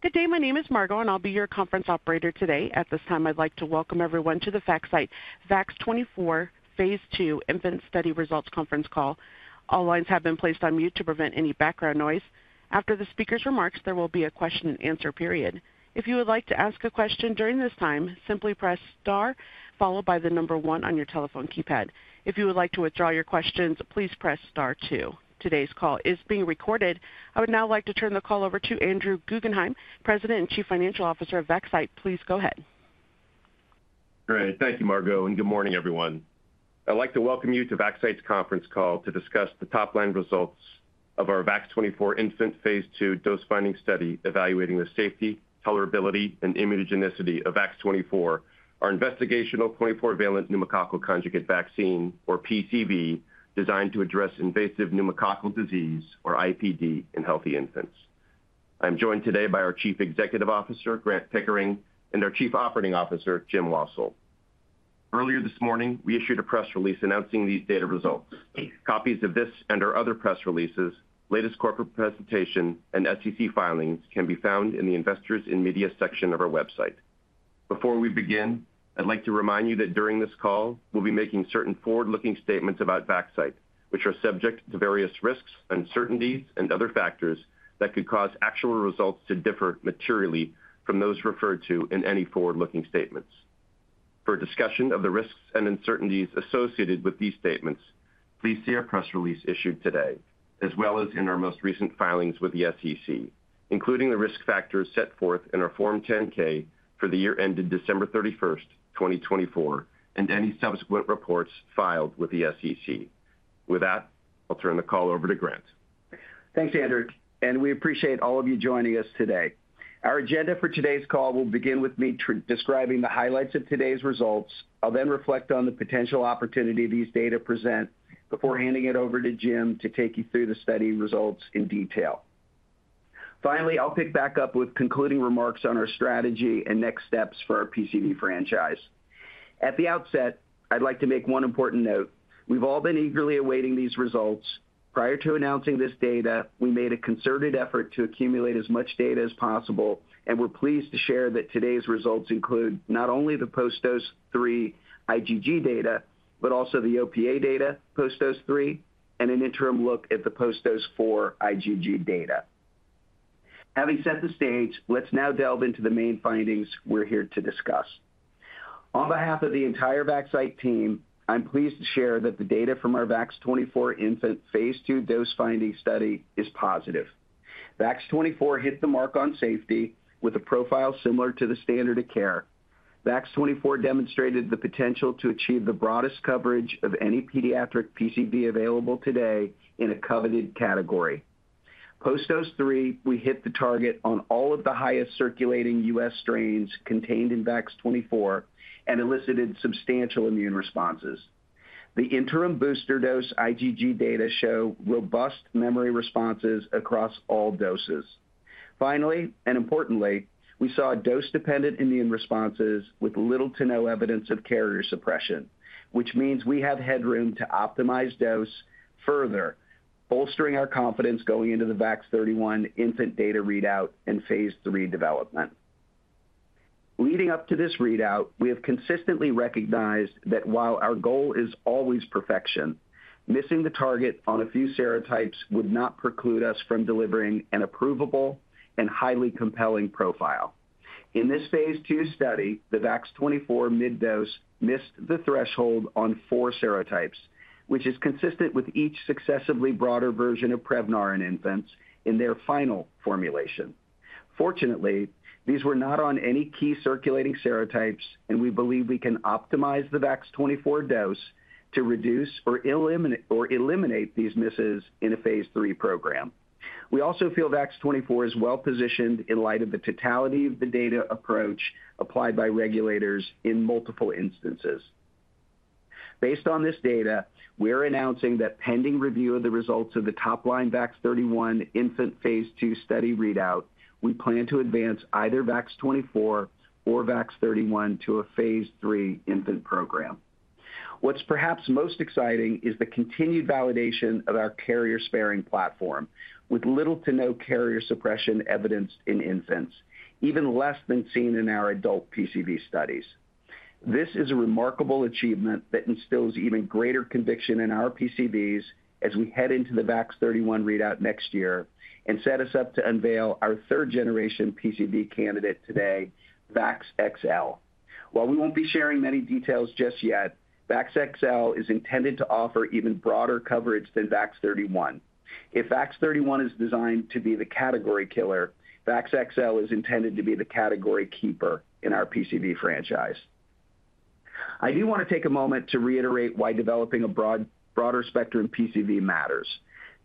Good day. My name is Margo, and I'll be your conference operator today. At this time, I'd like to welcome everyone to the Vaxcyte VAX-24 phase II infant study results conference call. All lines have been placed on mute to prevent any background noise. After the speaker's remarks, there will be a question-and-answer period. If you would like to ask a question during this time, simply press star, followed by the number one on your telephone keypad. If you would like to withdraw your questions, please press star two. Today's call is being recorded. I would now like to turn the call over to Andrew Guggenhime, President and Chief Financial Officer of Vaxcyte. Please go ahead. Great. Thank you, Margo, and good morning, everyone. I'd like to welcome you to Vaxcyte's conference call to discuss the top-line results of our VAX-24 infant phase II dose-finding study evaluating the safety, tolerability, and immunogenicity of VAX-24, our investigational 24-valent pneumococcal conjugate vaccine, or PCV, designed to address invasive pneumococcal disease, or IPD, in healthy infants. I'm joined today by our Chief Executive Officer, Grant Pickering, and our Chief Operating Officer, Jim Wassil. Earlier this morning, we issued a press release announcing these data results. Copies of this and our other press releases, latest corporate presentation, and SEC filings can be found in the Investors in Media section of our website. Before we begin, I'd like to remind you that during this call, we'll be making certain forward-looking statements about Vaxcyte, which are subject to various risks, uncertainties, and other factors that could cause actual results to differ materially from those referred to in any forward-looking statements. For discussion of the risks and uncertainties associated with these statements, please see our press release issued today, as well as in our most recent filings with the SEC, including the risk factors set forth in our Form 10-K for the year ended December 31st, 2024, and any subsequent reports filed with the SEC. With that, I'll turn the call over to Grant. Thanks, Andrew. We appreciate all of you joining us today. Our agenda for today's call will begin with me describing the highlights of today's results. I'll then reflect on the potential opportunity these data present before handing it over to Jim to take you through the study results in detail. Finally, I'll pick back up with concluding remarks on our strategy and next steps for our PCV franchise. At the outset, I'd like to make one important note. We've all been eagerly awaiting these results. Prior to announcing this data, we made a concerted effort to accumulate as much data as possible, and we're pleased to share that today's results include not only the post-dose three IgG data, but also the OPA data, post-dose three, and an interim look at the post-dose four IgG data. Having set the stage, let's now delve into the main findings we're here to discuss. On behalf of the entire Vaxcyte team, I'm pleased to share that the data from our VAX-24 infant phase II dose finding study is positive. VAX-24 hit the mark on safety with a profile similar to the standard of care. VAX-24 demonstrated the potential to achieve the broadest coverage of any pediatric PCV available today in a coveted category. Post-dose three, we hit the target on all of the highest circulating U.S. strains contained in VAX-24 and elicited substantial immune responses. The interim booster dose IgG data show robust memory responses across all doses. Finally, and importantly, we saw dose-dependent immune responses with little to no evidence of carrier suppression, which means we have headroom to optimize dose further, bolstering our confidence going into the VAX-31 infant data readout and phase III development. Leading up to this readout, we have consistently recognized that while our goal is always perfection, missing the target on a few serotypes would not preclude us from delivering an approvable and highly compelling profile. In this phase II study, the VAX-24 mid-dose missed the threshold on four serotypes, which is consistent with each successively broader version of Prevnar in infants in their final formulation. Fortunately, these were not on any key circulating serotypes, and we believe we can optimize the VAX-24 dose to reduce or eliminate these misses in a phase III program. We also feel VAX-24 is well-positioned in light of the totality of the data approach applied by regulators in multiple instances. Based on this data, we're announcing that pending review of the results of the top-line VAX-31 infant phase II study readout, we plan to advance either VAX-24 or VAX-31 to a phase III infant program. What's perhaps most exciting is the continued validation of our carrier-sparing platform, with little to no carrier suppression evidenced in infants, even less than seen in our adult PCV studies. This is a remarkable achievement that instills even greater conviction in our PCVs as we head into the VAX-31 readout next year and set us up to unveil our third-generation PCV candidate today, VAXXL. While we won't be sharing many details just yet, VAXXL is intended to offer even broader coverage than VAX-31. If VAX-31 is designed to be the category killer, VAXXL is intended to be the category keeper in our PCV franchise. I do want to take a moment to reiterate why developing a broader spectrum PCV matters.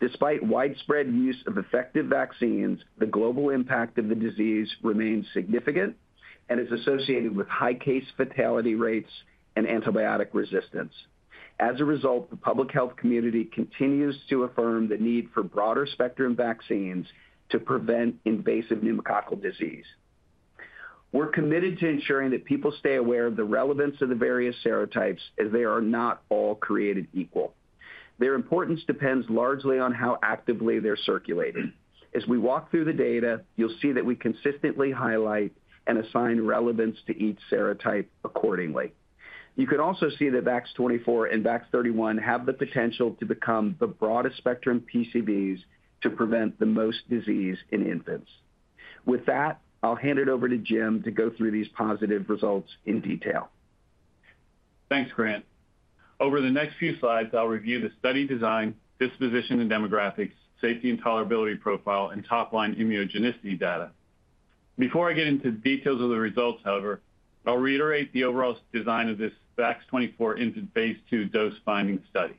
Despite widespread use of effective vaccines, the global impact of the disease remains significant and is associated with high case fatality rates and antibiotic resistance. As a result, the public health community continues to affirm the need for broader spectrum vaccines to prevent invasive pneumococcal disease. We're committed to ensuring that people stay aware of the relevance of the various serotypes, as they are not all created equal. Their importance depends largely on how actively they're circulated. As we walk through the data, you'll see that we consistently highlight and assign relevance to each serotype accordingly. You can also see that VAX-24 and VAX-31 have the potential to become the broadest spectrum PCVs to prevent the most disease in infants. With that, I'll hand it over to Jim to go through these positive results in detail. Thanks, Grant. Over the next few slides, I'll review the study design, disposition and demographics, safety and tolerability profile, and top-line immunogenicity data. Before I get into the details of the results, however, I'll reiterate the overall design of this VAX-24 infant phase II dose-finding study.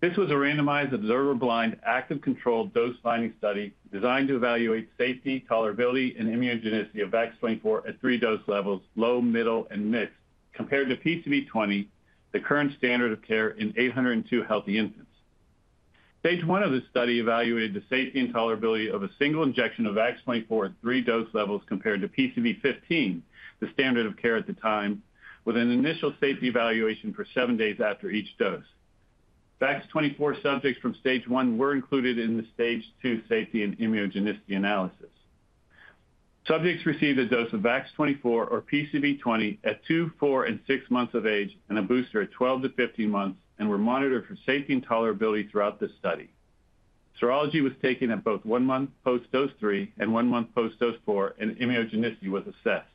This was a randomized, observer-blind, active-controlled dose-finding study designed to evaluate safety, tolerability, and immunogenicity of VAX-24 at three dose levels: low, middle, and mixed, compared to PCV20, the current standard of care in 802 healthy infants. Phase I of this study evaluated the safety and tolerability of a single injection of VAX-24 at three dose levels compared to PCV15, the standard of care at the time, with an initial safety evaluation for seven days after each dose. VAX-24 subjects from stage one were included in the stage two safety and immunogenicity analysis. Subjects received a dose of VAX-24 or PCV20 at two, four, and six months of age and a booster at 12 to 15 months, and were monitored for safety and tolerability throughout this study. Serology was taken at both one month post-dose three and one month post-dose four, and immunogenicity was assessed.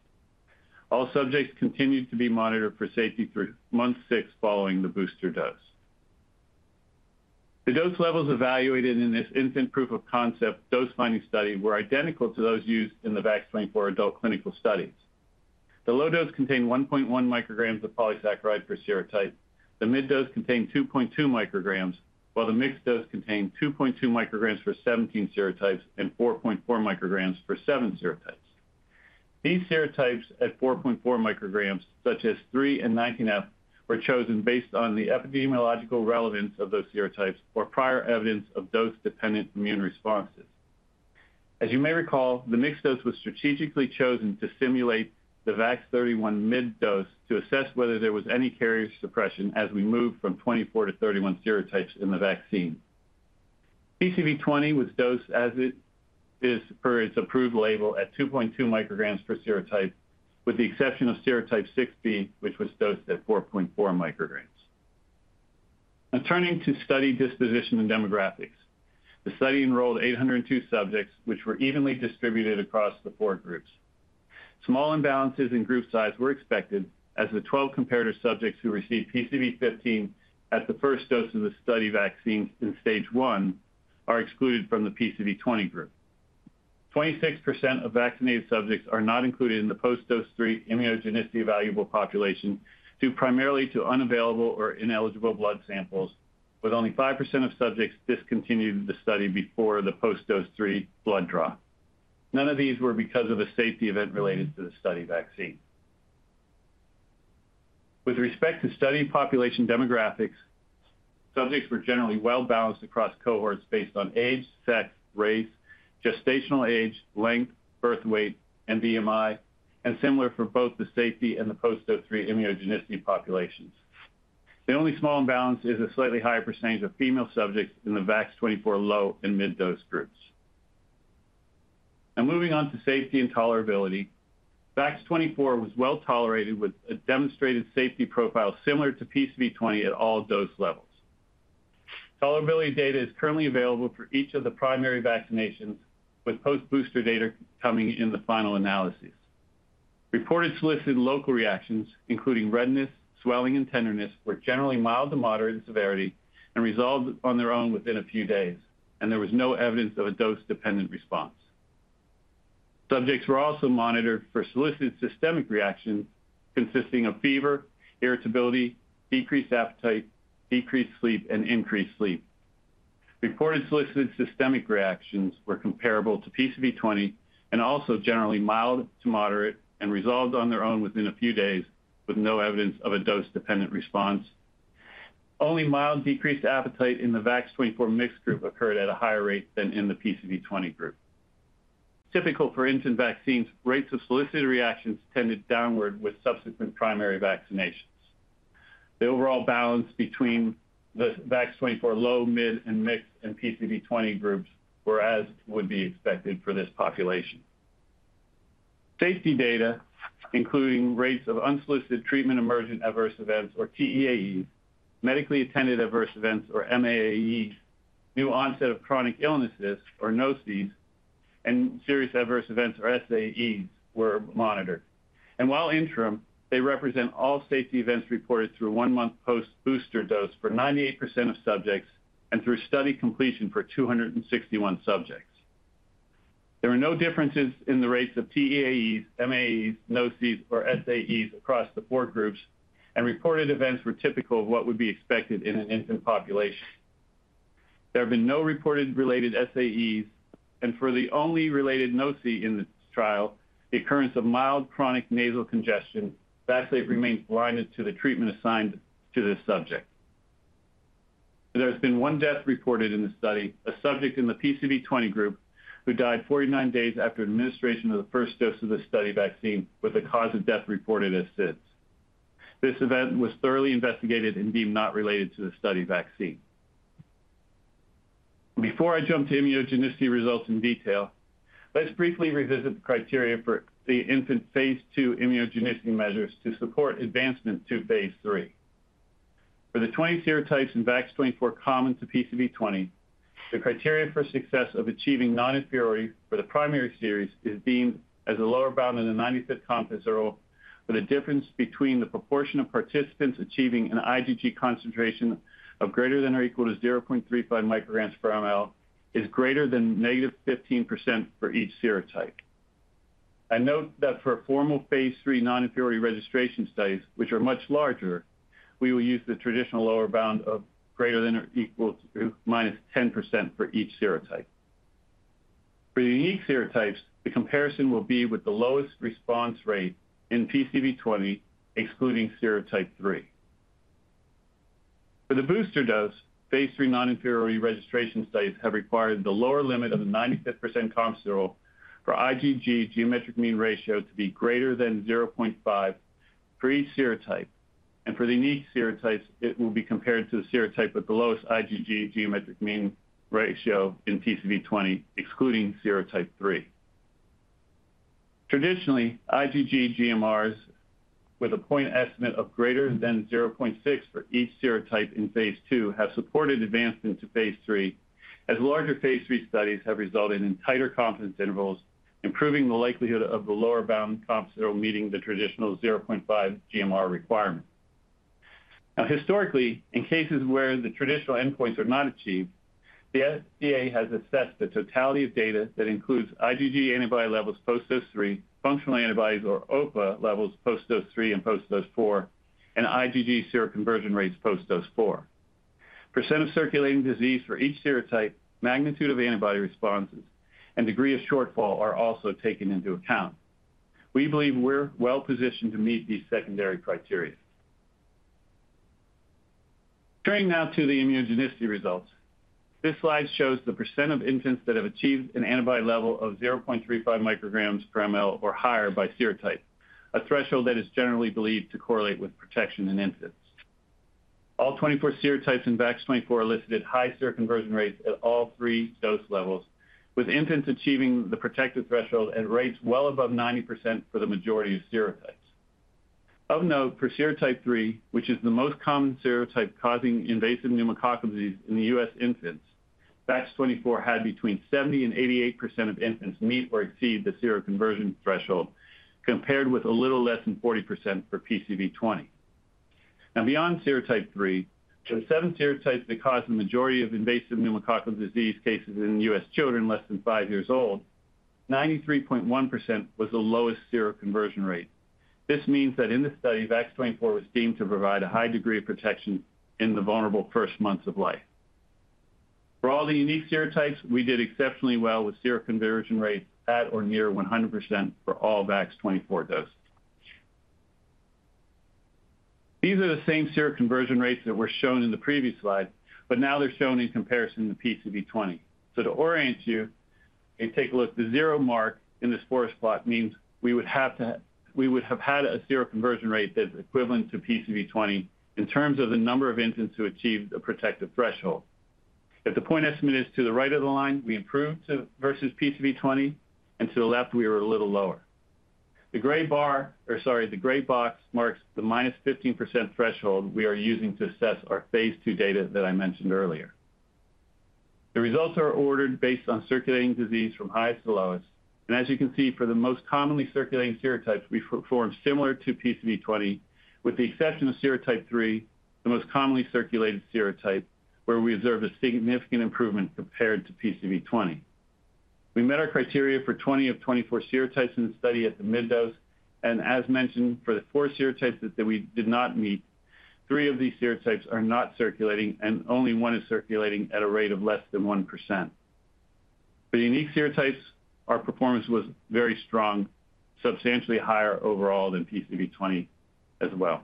All subjects continued to be monitored for safety through month six following the booster dose. The dose levels evaluated in this infant proof of concept dose-finding study were identical to those used in the VAX-24 adult clinical studies. The low dose contained 1.1 micrograms of polysaccharide per serotype. The mid-dose contained 2.2 micrograms, while the mixed dose contained 2.2 micrograms for 17 serotypes and 4.4 micrograms for seven serotypes. These serotypes at 4.4 micrograms, such as 3 and 19F, were chosen based on the epidemiological relevance of those serotypes or prior evidence of dose-dependent immune responses. As you may recall, the mixed dose was strategically chosen to simulate the VAX-31 mid-dose to assess whether there was any carrier suppression as we moved from 24 to 31 serotypes in the vaccine. PCV20 was dosed as it is per its approved label at 2.2 micrograms per serotype, with the exception of serotype 6B, which was dosed at 4.4 micrograms. Now, turning to study disposition and demographics, the study enrolled 802 subjects, which were evenly distributed across the four groups. Small imbalances in group size were expected, as the 12 comparative subjects who received PCV15 at the first dose of the study vaccine in stage one are excluded from the PCV20 group. 26% of vaccinated subjects are not included in the post-dose three immunogenicity evaluable population due primarily to unavailable or ineligible blood samples, with only 5% of subjects discontinuing the study before the post-dose three blood draw. None of these were because of a safety event related to the study vaccine. With respect to study population demographics, subjects were generally well-balanced across cohorts based on age, sex, race, gestational age, length, birth weight, and BMI, and similar for both the safety and the post-dose three immunogenicity populations. The only small imbalance is a slightly higher percentage of female subjects in the VAX-24 low and mid-dose groups. Now, moving on to safety and tolerability, VAX-24 was well tolerated with a demonstrated safety profile similar to PCV20 at all dose levels. Tolerability data is currently available for each of the primary vaccinations, with post-booster data coming in the final analyses. Reported solicited local reactions, including redness, swelling, and tenderness, were generally mild to moderate in severity and resolved on their own within a few days, and there was no evidence of a dose-dependent response. Subjects were also monitored for solicited systemic reactions consisting of fever, irritability, decreased appetite, decreased sleep, and increased sleep. Reported solicited systemic reactions were comparable to PCV20 and also generally mild to moderate and resolved on their own within a few days, with no evidence of a dose-dependent response. Only mild decreased appetite in the VAX-24 mixed group occurred at a higher rate than in the PCV20 group. Typical for infant vaccines, rates of solicited reactions tended downward with subsequent primary vaccinations. The overall balance between the VAX-24 low, mid, and mixed and PCV20 groups were as would be expected for this population. Safety data, including rates of unsolicited treatment emergent adverse events, or TEAEs, medically attended adverse events, or MAAEs, new onset of chronic illnesses, or NOCEs, and serious adverse events, or SAEs, were monitored. While interim, they represent all safety events reported through one-month post-booster dose for 98% of subjects and through study completion for 261 subjects. There were no differences in the rates of TEAEs, MAAEs, NOCEs, or SAEs across the four groups, and reported events were typical of what would be expected in an infant population. There have been no reported related SAEs, and for the only related NOCE in this trial, the occurrence of mild chronic nasal congestion, vaccinate remained blinded to the treatment assigned to this subject. There has been one death reported in the study, a subject in the PCV20 group who died 49 days after administration of the first dose of the study vaccine with a cause of death reported as SIDS. This event was thoroughly investigated and deemed not related to the study vaccine. Before I jump to immunogenicity results in detail, let's briefly revisit the criteria for the infant phase II immunogenicity measures to support advancement to phase II. For the 20 serotypes in VAX-24 common to PCV20, the criteria for success of achieving noninferiority for the primary series is deemed as a lower bound in the 95% confidence interval, with a difference between the proportion of participants achieving an IgG concentration of greater than or equal to 0.35 micrograms per mL is greater than -15% for each serotype. I note that for formal phase III noninferiority registration studies, which are much larger, we will use the traditional lower bound of greater than or equal to -10% for each serotype. For the unique serotypes, the comparison will be with the lowest response rate in PCV20, excluding serotype 3. For the booster dose, phase III noninferiority registration studies have required the lower limit of the 95% confidence interval for IgG geometric mean ratio to be greater than 0.5 for each serotype. For the unique serotypes, it will be compared to the serotype with the lowest IgG geometric mean ratio in PCV20, excluding serotype 3. Traditionally, IgG GMRs with a point estimate of greater than 0.6 for each serotype in phase II have supported advancement to phase III, as larger phase III studies have resulted in tighter confidence intervals, improving the likelihood of the lower bound confidence interval meeting the traditional 0.5 GMR requirement. Historically, in cases where the traditional endpoints are not achieved, the FDA has assessed the totality of data that includes IgG antibody levels post-dose three, functional antibodies or OPA levels post-dose three and post-dose four, and IgG seroconversion rates post-dose four. Percent of circulating disease for each serotype, magnitude of antibody responses, and degree of shortfall are also taken into account. We believe we're well-positioned to meet these secondary criteria. Turning now to the immunogenicity results, this slide shows the percent of infants that have achieved an antibody level of 0.35 micrograms per mL or higher by serotype, a threshold that is generally believed to correlate with protection in infants. All 24 serotypes in VAX-24 elicited high seroconversion rates at all three dose levels, with infants achieving the protective threshold at rates well above 90% for the majority of serotypes. Of note, for serotype 3, which is the most common serotype causing invasive pneumococcal disease in U.S. infants, VAX-24 had between 70% and 88% of infants meet or exceed the seroconversion threshold, compared with a little less than 40% for PCV20. Now, beyond serotype 3, for the seven serotypes that cause the majority of invasive pneumococcal disease cases in US children less than five years old, 93.1% was the lowest seroconversion rate. This means that in this study, VAX-24 was deemed to provide a high degree of protection in the vulnerable first months of life. For all the unique serotypes, we did exceptionally well with seroconversion rates at or near 100% for all VAX-24 doses. These are the same seroconversion rates that were shown in the previous slide, but now they're shown in comparison to PCV20. To orient you, if you take a look, the zero mark in this forest plot means we would have had a seroconversion rate that's equivalent to PCV20 in terms of the number of infants who achieved a protective threshold. If the point estimate is to the right of the line, we improved versus PCV20, and to the left, we were a little lower. The gray bar, or sorry, the gray box marks the -15% threshold we are using to assess our phase II data that I mentioned earlier. The results are ordered based on circulating disease from highest to lowest. As you can see, for the most commonly circulating serotypes, we performed similar to PCV20, with the exception of serotype 3, the most commonly circulated serotype, where we observed a significant improvement compared to PCV20. We met our criteria for 20 of 24 serotypes in the study at the mid-dose, and as mentioned, for the four serotypes that we did not meet, three of these serotypes are not circulating, and only one is circulating at a rate of less than 1%. For the unique serotypes, our performance was very strong, substantially higher overall than PCV20 as well.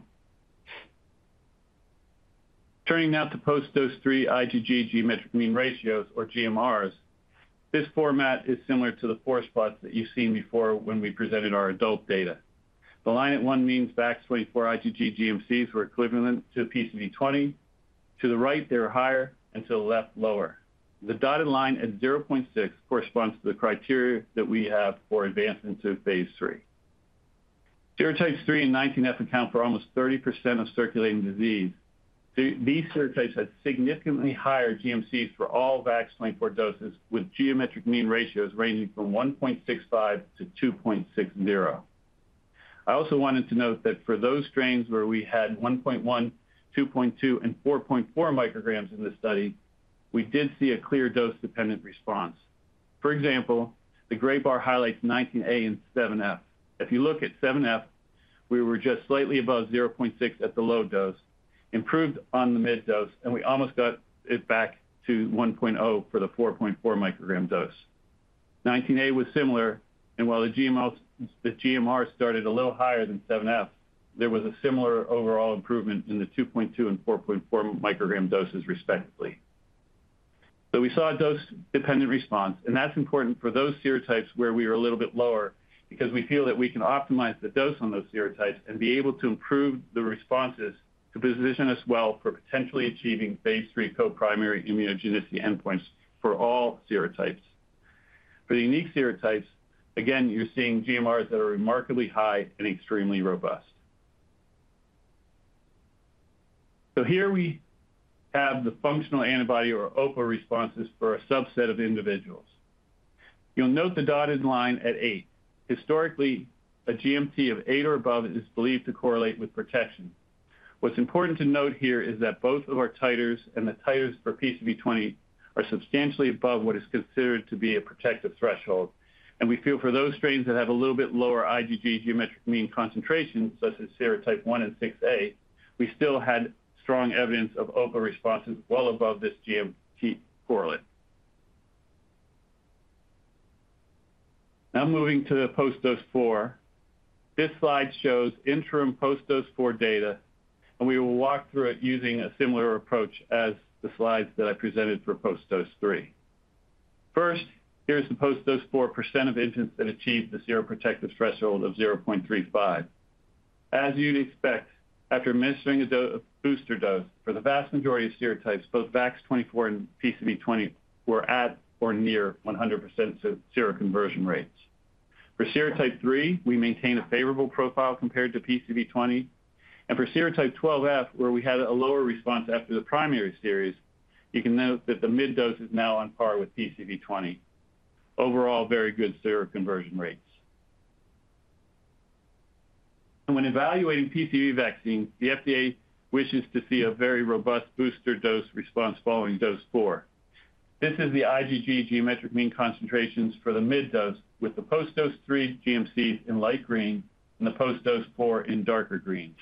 Turning now to post-dose three IgG geometric mean ratios, or GMRs, this format is similar to the forest plots that you've seen before when we presented our adult data. The line at one means VAX-24 IgG GMCs were equivalent to PCV20. To the right, they were higher, and to the left, lower. The dotted line at 0.6 corresponds to the criteria that we have for advancement to phase III. Serotypes three and 19F account for almost 30% of circulating disease. These serotypes had significantly higher GMCs for all VAX-24 doses, with geometric mean ratios ranging from 1.65 to 2.60. I also wanted to note that for those strains where we had 1.1, 2.2, and 4.4 micrograms in this study, we did see a clear dose-dependent response. For example, the gray bar highlights 19A and 7F. If you look at 7F, we were just slightly above 0.6 at the low dose, improved on the mid-dose, and we almost got it back to 1.0 for the 4.4 microgram dose. 19A was similar, and while the GMR started a little higher than 7F, there was a similar overall improvement in the 2.2 and 4.4 microgram doses, respectively. We saw a dose-dependent response, and that's important for those serotypes where we were a little bit lower because we feel that we can optimize the dose on those serotypes and be able to improve the responses to position us well for potentially achieving phase III coprimary immunogenicity endpoints for all serotypes. For the unique serotypes, again, you're seeing GMRs that are remarkably high and extremely robust. Here we have the functional antibody or OPA responses for a subset of individuals. You'll note the dotted line at eight. Historically, a GMT of eight or above is believed to correlate with protection. What's important to note here is that both of our titers and the titers for PCV20 are substantially above what is considered to be a protective threshold, and we feel for those strains that have a little bit lower IgG geometric mean concentration, such as serotype 1 and 6A, we still had strong evidence of OPA responses well above this GMT correlate. Now moving to post-dose four, this slide shows interim post-dose four data, and we will walk through it using a similar approach as the slides that I presented for post-dose three. First, here's the post-dose 4% of infants that achieved the seroprotective threshold of 0.35. As you'd expect, after administering a booster dose, for the vast majority of serotypes, both VAX-24 and PCV20 were at or near 100% seroconversion rates. For serotype 3, we maintain a favorable profile compared to PCV20, and for serotype 12F, where we had a lower response after the primary series, you can note that the mid-dose is now on par with PCV20. Overall, very good seroconversion rates. When evaluating PCV vaccines, the FDA wishes to see a very robust booster dose response following dose four. This is the IgG geometric mean concentrations for the mid-dose with the post-dose three GMCs in light green and the post-dose four in darker green.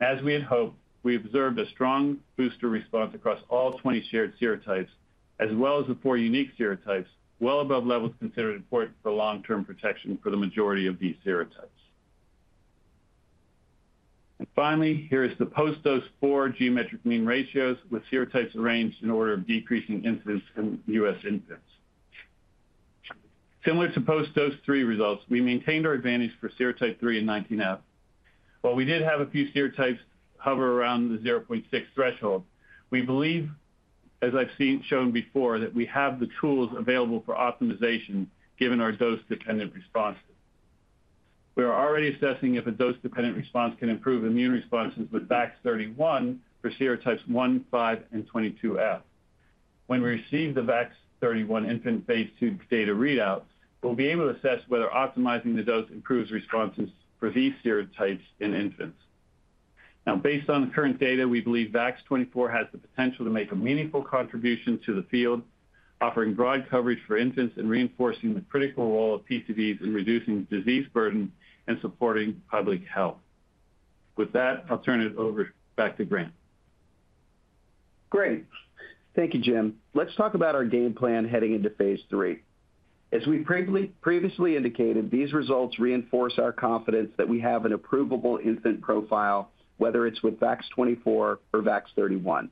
As we had hoped, we observed a strong booster response across all 20 shared serotypes, as well as the four unique serotypes, well above levels considered important for long-term protection for the majority of these serotypes. Finally, here is the post-dose four geometric mean ratios with serotypes arranged in order of decreasing incidence in U.S. infants. Similar to post-dose three results, we maintained our advantage for serotype 3 and 19F. While we did have a few serotypes hover around the 0.6 threshold, we believe, as I've shown before, that we have the tools available for optimization given our dose-dependent responses. We are already assessing if a dose-dependent response can improve immune responses with VAX-31 for serotypes one, five, and 22F. When we receive the VAX-31 infant phase II data readout, we'll be able to assess whether optimizing the dose improves responses for these serotypes in infants. Now, based on the current data, we believe VAX-24 has the potential to make a meaningful contribution to the field, offering broad coverage for infants and reinforcing the critical role of PCVs in reducing disease burden and supporting public health. With that, I'll turn it over back to Grant. Great. Thank you, Jim. Let's talk about our game plan heading into phase III. As we previously indicated, these results reinforce our confidence that we have an approvable infant profile, whether it's with VAX-24 or VAX-31.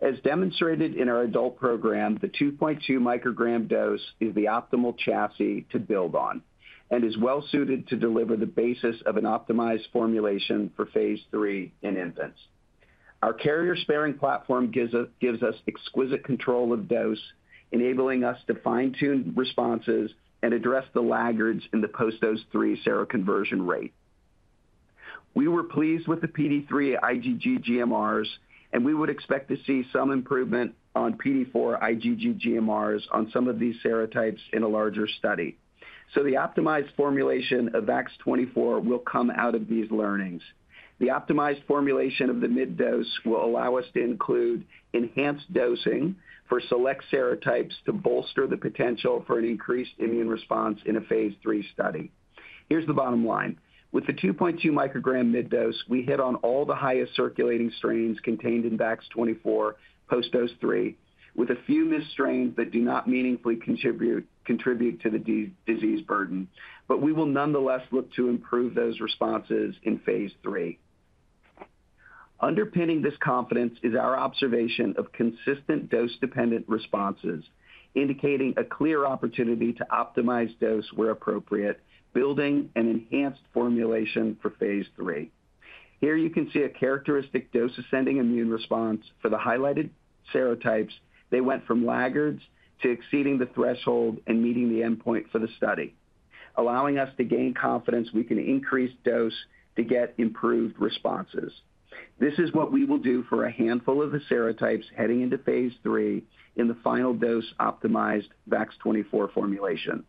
As demonstrated in our adult program, the 2.2 microgram dose is the optimal chassis to build on and is well-suited to deliver the basis of an optimized formulation for phase III in infants. Our carrier-sparing platform gives us exquisite control of dose, enabling us to fine-tune responses and address the laggards in the post-dose three seroconversion rate. We were pleased with the PD3 IgG GMRs, and we would expect to see some improvement on PD4 IgG GMRs on some of these serotypes in a larger study. The optimized formulation of VAX-24 will come out of these learnings. The optimized formulation of the mid-dose will allow us to include enhanced dosing for select serotypes to bolster the potential for an increased immune response in a phase III study. Here is the bottom line. With the 2.2 microgram mid-dose, we hit on all the highest circulating strains contained in VAX-24 post-dose three, with a few missed strains that do not meaningfully contribute to the disease burden, but we will nonetheless look to improve those responses in phase III. Underpinning this confidence is our observation of consistent dose-dependent responses, indicating a clear opportunity to optimize dose where appropriate, building an enhanced formulation for phase III. Here you can see a characteristic dose-ascending immune response for the highlighted serotypes. They went from laggards to exceeding the threshold and meeting the endpoint for the study, allowing us to gain confidence we can increase dose to get improved responses. This is what we will do for a handful of the serotypes heading into phase III in the final dose-optimized VAX-24 formulation.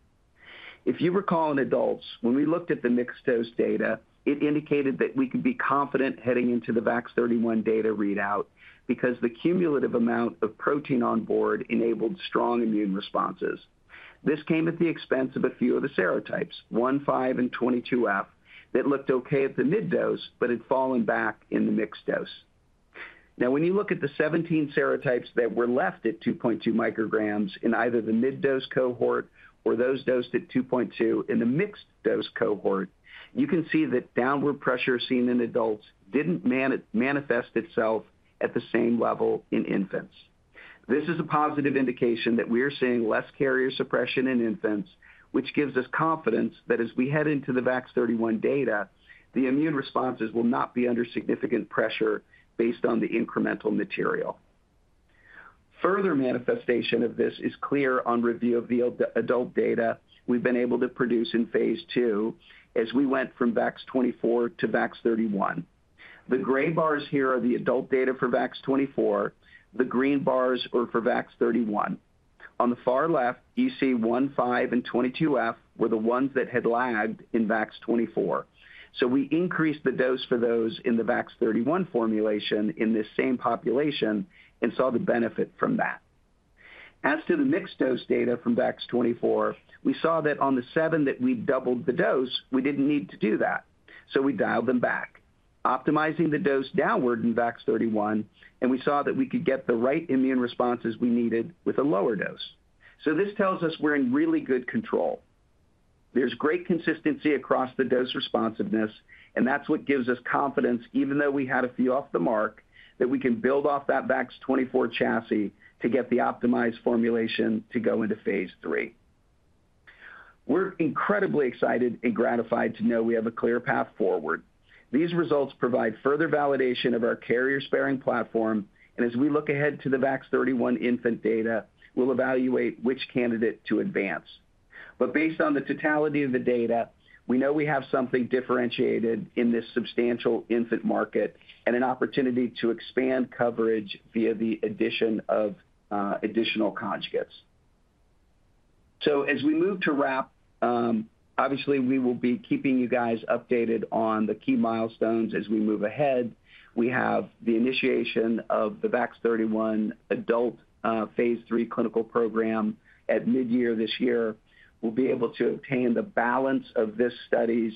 If you recall in adults, when we looked at the mixed dose data, it indicated that we could be confident heading into the VAX-31 data readout because the cumulative amount of protein on board enabled strong immune responses. This came at the expense of a few of the serotypes, one, five, and 22F, that looked okay at the mid-dose but had fallen back in the mixed dose. Now, when you look at the 17 serotypes that were left at 2.2 micrograms in either the mid-dose cohort or those dosed at 2.2 in the mixed dose cohort, you can see that downward pressure seen in adults did not manifest itself at the same level in infants. This is a positive indication that we are seeing less carrier suppression in infants, which gives us confidence that as we head into the VAX-31 data, the immune responses will not be under significant pressure based on the incremental material. Further manifestation of this is clear on review of the adult data we have been able to produce in phase II as we went from VAX-24 to VAX-31. The gray bars here are the adult data for VAX-24. The green bars are for VAX-31. On the far left, you see one, five, and 22F were the ones that had lagged in VAX-24. We increased the dose for those in the VAX-31 formulation in this same population and saw the benefit from that. As to the mixed dose data from VAX-24, we saw that on the seven that we doubled the dose, we did not need to do that. We dialed them back, optimizing the dose downward in VAX-31, and we saw that we could get the right immune responses we needed with a lower dose. This tells us we are in really good control. There is great consistency across the dose responsiveness, and that is what gives us confidence, even though we had a few off the mark, that we can build off that VAX-24 chassis to get the optimized formulation to go into phase III. We are incredibly excited and gratified to know we have a clear path forward. These results provide further validation of our carrier-sparing platform, and as we look ahead to the VAX-31 infant data, we'll evaluate which candidate to advance. Based on the totality of the data, we know we have something differentiated in this substantial infant market and an opportunity to expand coverage via the addition of additional conjugates. As we move to wrap, obviously, we will be keeping you guys updated on the key milestones as we move ahead. We have the initiation of the VAX-31 adult phase III clinical program at mid-year this year. We'll be able to obtain the balance of this study's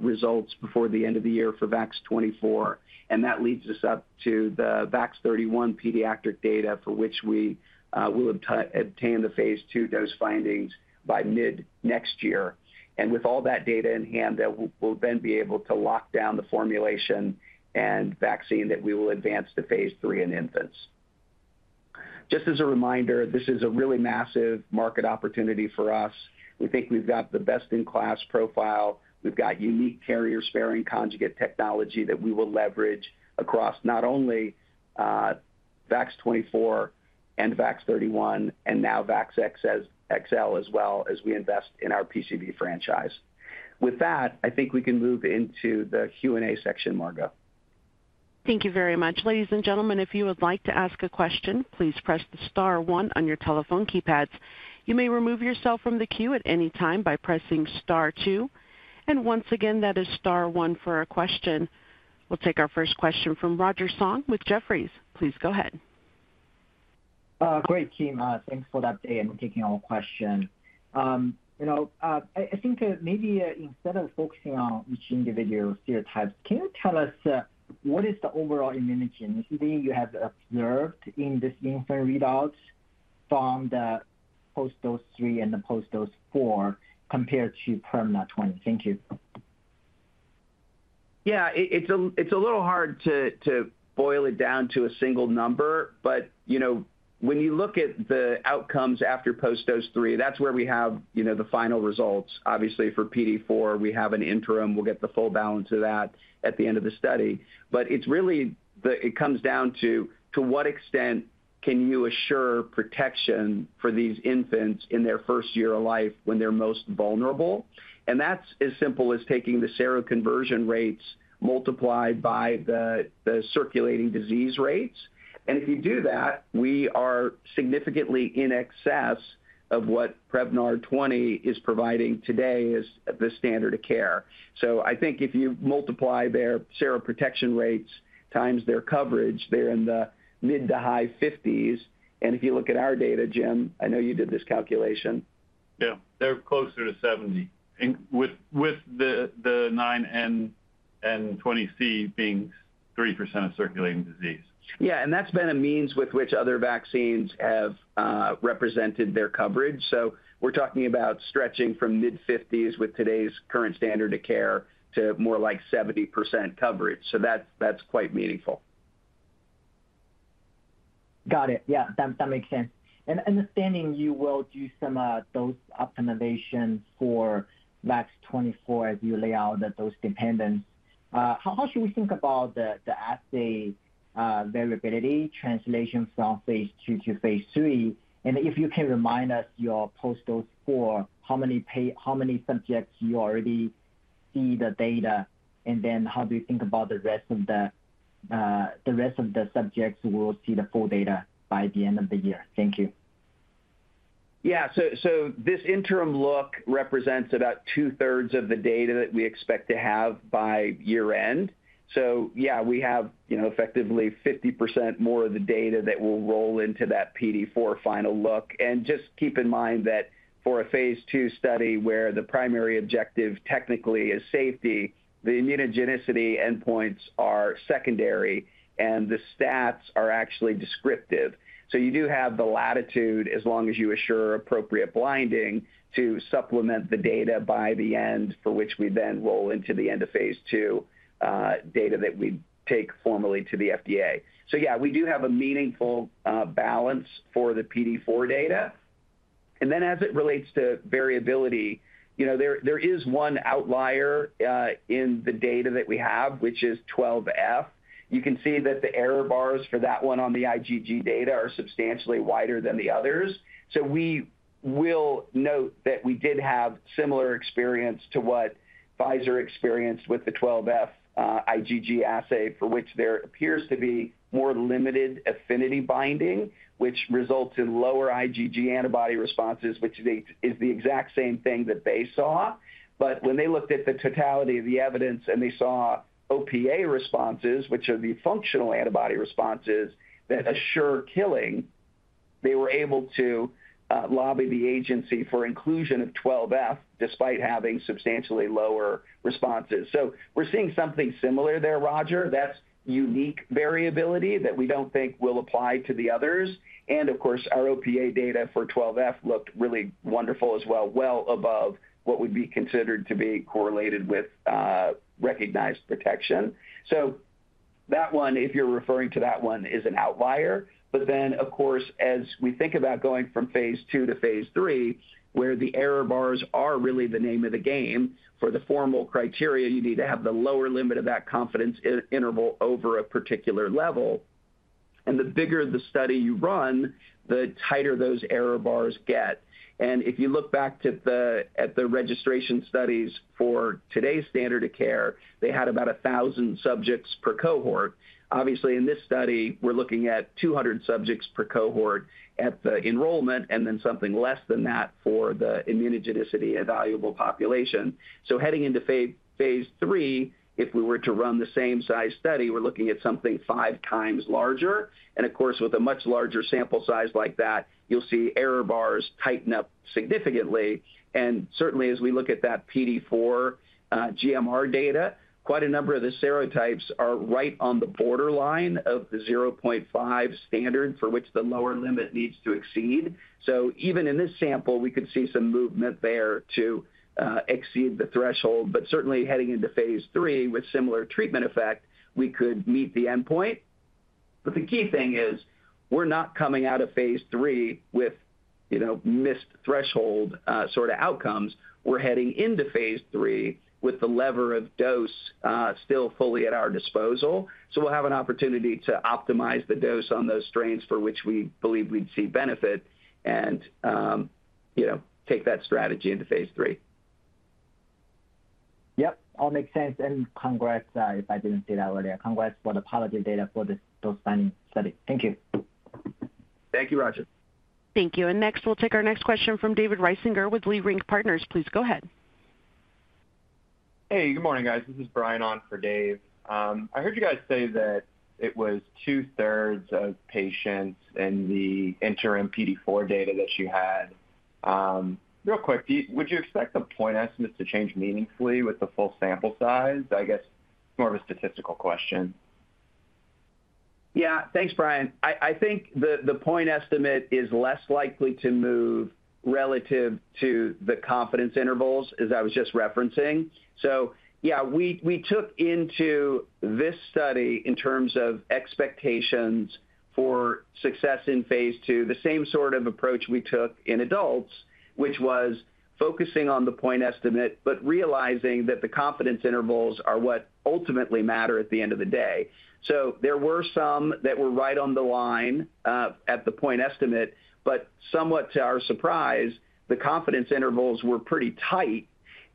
results before the end of the year for VAX-24, and that leads us up to the VAX-31 pediatric data for which we will obtain the phase II dose findings by mid-next year. With all that data in hand, we'll then be able to lock down the formulation and vaccine that we will advance to phase III in infants. Just as a reminder, this is a really massive market opportunity for us. We think we've got the best-in-class profile. We've got unique carrier-sparing conjugate technology that we will leverage across not only VAX-24 and VAX-31 and now VAXXL as well as we invest in our PCV franchise. With that, I think we can move into the Q&A section, Margo. Thank you very much. Ladies and gentlemen, if you would like to ask a question, please press the star one on your telephone keypads. You may remove yourself from the queue at any time by pressing star two. Once again, that is star one for a question. We'll take our first question from Roger Song with Jefferies. Please go ahead. Great, Jim. Thanks for that and taking our question. I think maybe instead of focusing on each individual serotype, can you tell us what is the overall immunogenicity you have observed in this infant readout from the post-dose three and the post-dose four compared to Prevnar 20? Thank you. Yeah, it's a little hard to boil it down to a single number, but when you look at the outcomes after post-dose three, that's where we have the final results. Obviously, for PD4, we have an interim. We'll get the full balance of that at the end of the study. It's really it comes down to what extent can you assure protection for these infants in their first year of life when they're most vulnerable? That's as simple as taking the seroconversion rates multiplied by the circulating disease rates. If you do that, we are significantly in excess of what Prevnar 20 is providing today as the standard of care. I think if you multiply their seroprotection rates times their coverage, they're in the mid to high 50s. If you look at our data, Jim, I know you did this calculation. They're closer to 70 with the 9N and 20C being 3% of circulating disease. That has been a means with which other vaccines have represented their coverage. We're talking about stretching from mid-50s with today's current standard of care to more like 70% coverage. That is quite meaningful. Got it. That makes sense. Understanding you will do some dose optimization for VAX-24 as you lay out the dose dependence, how should we think about the assay variability translation from phase II to phase III? If you can remind us your post-dose four, how many subjects you already see the data, and then how do you think about the rest of the subjects who will see the full data by the end of the year? Thank you. Yeah, this interim look represents about two-thirds of the data that we expect to have by year-end. Yeah, we have effectively 50% more of the data that will roll into that PD4 final look. Just keep in mind that for a phase II study where the primary objective technically is safety, the immunogenicity endpoints are secondary, and the stats are actually descriptive. You do have the latitude as long as you assure appropriate blinding to supplement the data by the end for which we then roll into the end of phase II data that we take formally to the FDA. Yeah, we do have a meaningful balance for the PD4 data. As it relates to variability, there is one outlier in the data that we have, which is 12F. You can see that the error bars for that one on the IgG data are substantially wider than the others. We will note that we did have similar experience to what Pfizer experienced with the 12F IgG assay for which there appears to be more limited affinity binding, which results in lower IgG antibody responses, which is the exact same thing that they saw. When they looked at the totality of the evidence and they saw OPA responses, which are the functional antibody responses that assure killing, they were able to lobby the agency for inclusion of 12F despite having substantially lower responses. We're seeing something similar there, Roger. That's unique variability that we don't think will apply to the others. Of course, our OPA data for 12F looked really wonderful as well, well above what would be considered to be correlated with recognized protection. That one, if you're referring to that one, is an outlier. As we think about going from phase II to phase III, where the error bars are really the name of the game, for the formal criteria, you need to have the lower limit of that confidence interval over a particular level. The bigger the study you run, the tighter those error bars get. If you look back at the registration studies for today's standard of care, they had about 1,000 subjects per cohort. Obviously, in this study, we're looking at 200 subjects per cohort at the enrollment and then something less than that for the immunogenicity evaluable population. Heading into phase III, if we were to run the same size study, we're looking at something five times larger. Of course, with a much larger sample size like that, you'll see error bars tighten up significantly. Certainly, as we look at that PD4 GMR data, quite a number of the serotypes are right on the borderline of the 0.5 standard for which the lower limit needs to exceed. Even in this sample, we could see some movement there to exceed the threshold. Certainly, heading into phase III with similar treatment effect, we could meet the endpoint. The key thing is we're not coming out of phase III with missed threshold sort of outcomes. We're heading into phase III with the lever of dose still fully at our disposal. We'll have an opportunity to optimize the dose on those strains for which we believe we'd see benefit and take that strategy into phase III. Yep, all makes sense. Congrats if I did not say that earlier. Congrats for the polygenic data for those findings study. Thank you. Thank you, Roger. Thank you. Next, we'll take our next question from David Reisinger with Leerink Partners. Please go ahead. Hey, good morning, guys. This is Brian on for Dave. I heard you guys say that it was two-thirds of patients in the interim PD4 data that you had. Real quick, would you expect the point estimates to change meaningfully with the full sample size? I guess it is more of a statistical question. Yeah, thanks, Brian. I think the point estimate is less likely to move relative to the confidence intervals as I was just referencing. Yeah, we took into this study in terms of expectations for success in phase II the same sort of approach we took in adults, which was focusing on the point estimate but realizing that the confidence intervals are what ultimately matter at the end of the day. There were some that were right on the line at the point estimate, but somewhat to our surprise, the confidence intervals were pretty tight.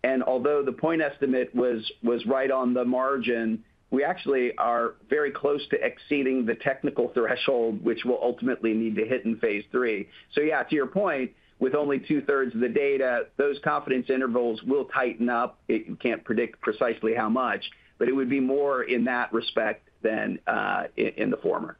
Although the point estimate was right on the margin, we actually are very close to exceeding the technical threshold, which we'll ultimately need to hit in phase III. Yeah, to your point, with only two-thirds of the data, those confidence intervals will tighten up. You can't predict precisely how much, but it would be more in that respect than in the former.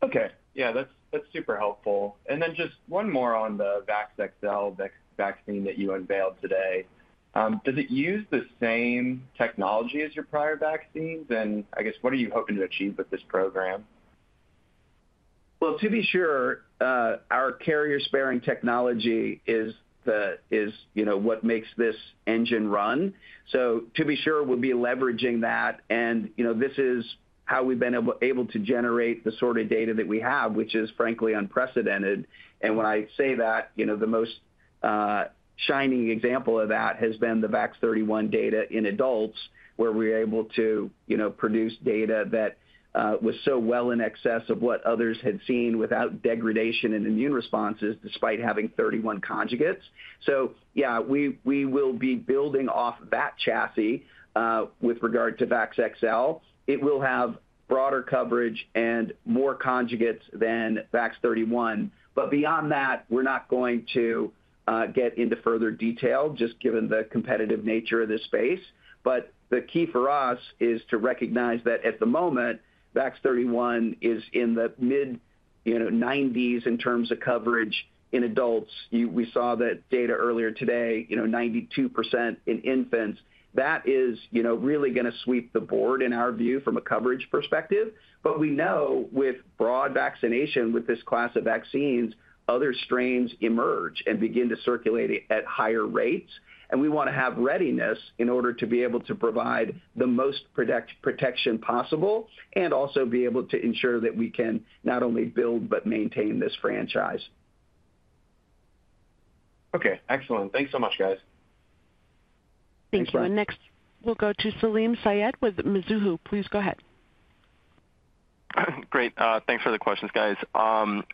Okay. Yeah, that's super helpful. And then just one more on the VAXXL vaccine that you unveiled today. Does it use the same technology as your prior vaccines? I guess, what are you hoping to achieve with this program? To be sure, our carrier-sparing technology is what makes this engine run. To be sure, we'll be leveraging that. This is how we've been able to generate the sort of data that we have, which is frankly unprecedented. When I say that, the most shining example of that has been the VAX-31 data in adults, where we were able to produce data that was so well in excess of what others had seen without degradation in immune responses despite having 31 conjugates. Yeah, we will be building off that chassis with regard to VAXXL. It will have broader coverage and more conjugates than VAX-31. Beyond that, we're not going to get into further detail just given the competitive nature of this space. The key for us is to recognize that at the moment, VAX-31 is in the mid-90s in terms of coverage in adults. We saw that data earlier today, 92% in infants. That is really going to sweep the board in our view from a coverage perspective. We know with broad vaccination with this class of vaccines, other strains emerge and begin to circulate at higher rates. We want to have readiness in order to be able to provide the most protection possible and also be able to ensure that we can not only build but maintain this franchise. Okay, excellent. Thanks so much, guys. Thank you. Next, we'll go to Salim Syed with Mizuho. Please go ahead. Great. Thanks for the questions, guys.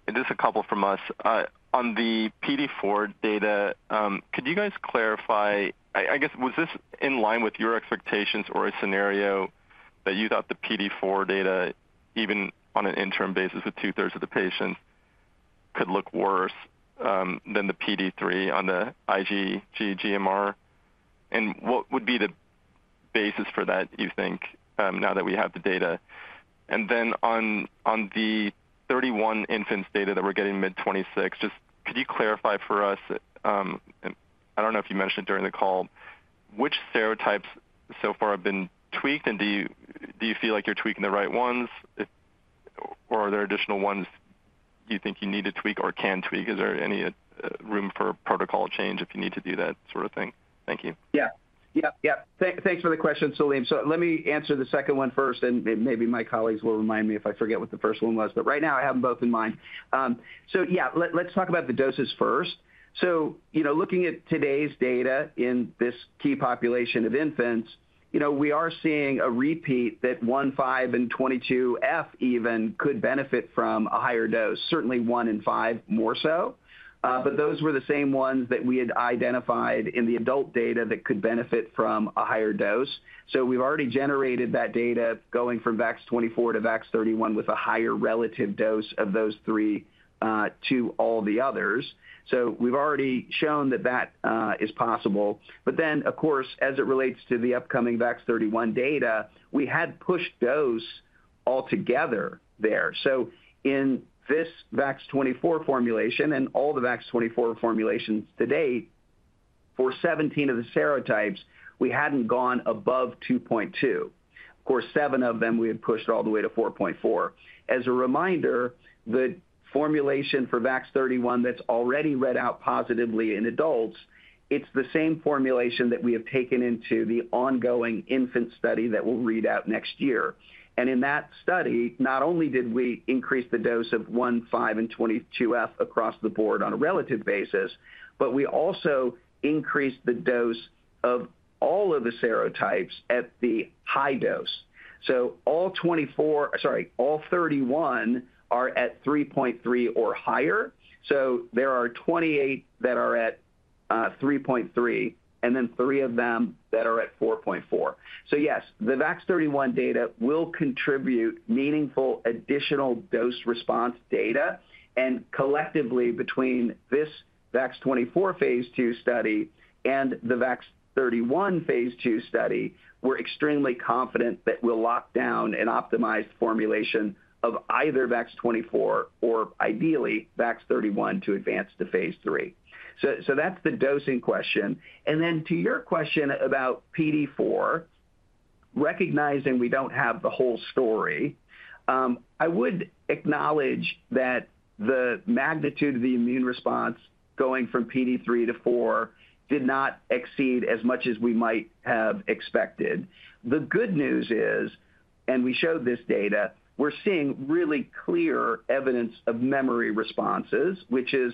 This is a couple from us. On the PD4 data, could you guys clarify, I guess, was this in line with your expectations or a scenario that you thought the PD4 data, even on an interim basis with two-thirds of the patients, could look worse than the PD3 on the IgG GMR? What would be the basis for that, you think, now that we have the data? On the 31 infants data that we're getting mid-2026, just could you clarify for us? I do not know if you mentioned during the call, which serotypes so far have been tweaked? Do you feel like you're tweaking the right ones? Are there additional ones you think you need to tweak or can tweak? Is there any room for protocol change if you need to do that sort of thing? Thank you. Yeah. Yeah, yeah. Thanks for the question, Salim. Let me answer the second one first, and maybe my colleagues will remind me if I forget what the first one was. Right now, I have them both in mind. Let's talk about the doses first. Looking at today's data in this key population of infants, we are seeing a repeat that one, five, and 22F even could benefit from a higher dose, certainly one and five more so. Those were the same ones that we had identified in the adult data that could benefit from a higher dose. We have already generated that data going from VAX-24 to VAX-31 with a higher relative dose of those three to all the others. We have already shown that that is possible. Of course, as it relates to the upcoming VAX-31 data, we had pushed dose altogether there. In this VAX-24 formulation and all the VAX-24 formulations to date, for seventeen of the serotypes, we had not gone above 2.2. Seven of them we had pushed all the way to 4.4. As a reminder, the formulation for VAX-31 that has already read out positively in adults is the same formulation that we have taken into the ongoing infant study that will read out next year. In that study, not only did we increase the dose of one, five and 22F across the board on a relative basis, but we also increased the dose of all of the serotypes at the high dose. All thirty-one are at 3.3 or higher. There are 28 that are at 3.3, and then three of them that are at 4.4. Yes, the VAX-31 data will contribute meaningful additional dose response data. Collectively, between this VAX-24 phase II study and the VAX-31 phase II study, we're extremely confident that we'll lock down an optimized formulation of either VAX-24 or ideally VAX-31 to advance to phase III. That's the dosing question. To your question about PD4, recognizing we don't have the whole story, I would acknowledge that the magnitude of the immune response going from PD3 to 4 did not exceed as much as we might have expected. The good news is, and we showed this data, we're seeing really clear evidence of memory responses, which is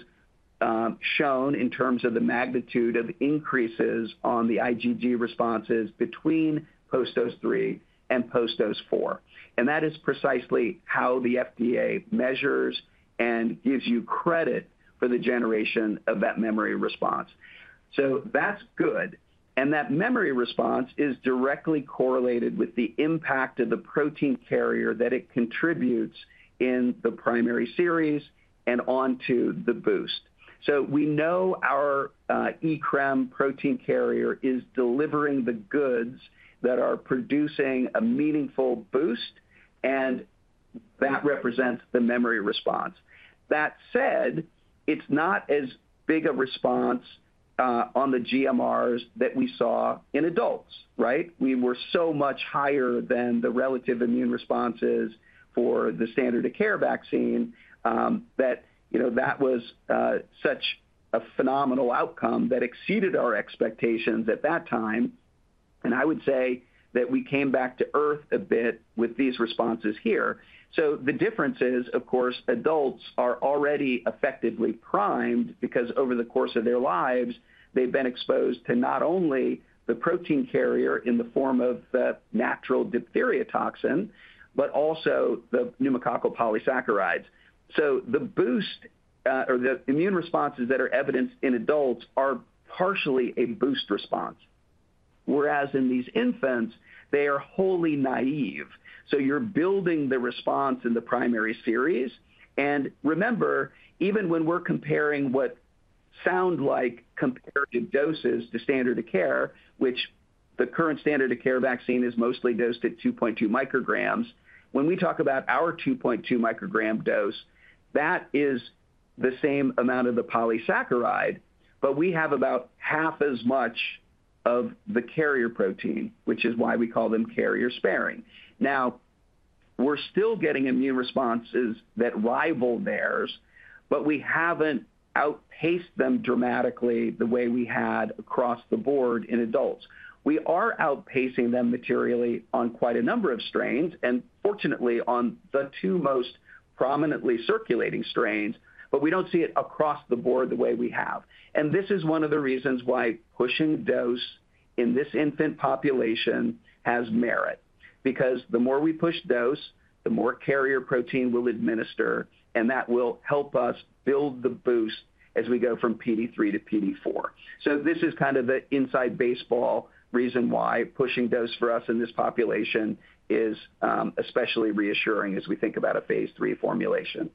shown in terms of the magnitude of increases on the IgG responses between post-dose three and post-dose four. That is precisely how the FDA measures and gives you credit for the generation of that memory response. That is good. That memory response is directly correlated with the impact of the protein carrier that it contributes in the primary series and onto the boost. We know our eCRM protein carrier is delivering the goods that are producing a meaningful boost, and that represents the memory response. That said, it is not as big a response on the GMRs that we saw in adults, right? We were so much higher than the relative immune responses for the standard of care vaccine that that was such a phenomenal outcome that exceeded our expectations at that time. I would say that we came back to earth a bit with these responses here. The difference is, of course, adults are already effectively primed because over the course of their lives, they've been exposed to not only the protein carrier in the form of the natural diphtheria toxin, but also the pneumococcal polysaccharides. The boost or the immune responses that are evidenced in adults are partially a boost response. Whereas in these infants, they are wholly naive. You're building the response in the primary series. Remember, even when we're comparing what sound like comparative doses to standard of care, which the current standard of care vaccine is mostly dosed at 2.2 micrograms, when we talk about our 2.2 microgram dose, that is the same amount of the polysaccharide, but we have about half as much of the carrier protein, which is why we call them carrier-sparing. Now, we're still getting immune responses that rival theirs, but we haven't outpaced them dramatically the way we had across the board in adults. We are outpacing them materially on quite a number of strains, and fortunately, on the two most prominently circulating strains, but we don't see it across the board the way we have. This is one of the reasons why pushing dose in this infant population has merit. Because the more we push dose, the more carrier protein we'll administer, and that will help us build the boost as we go from PD3 to PD4. This is kind of the inside baseball reason why pushing dose for us in this population is especially reassuring as we think about a phase III formulation.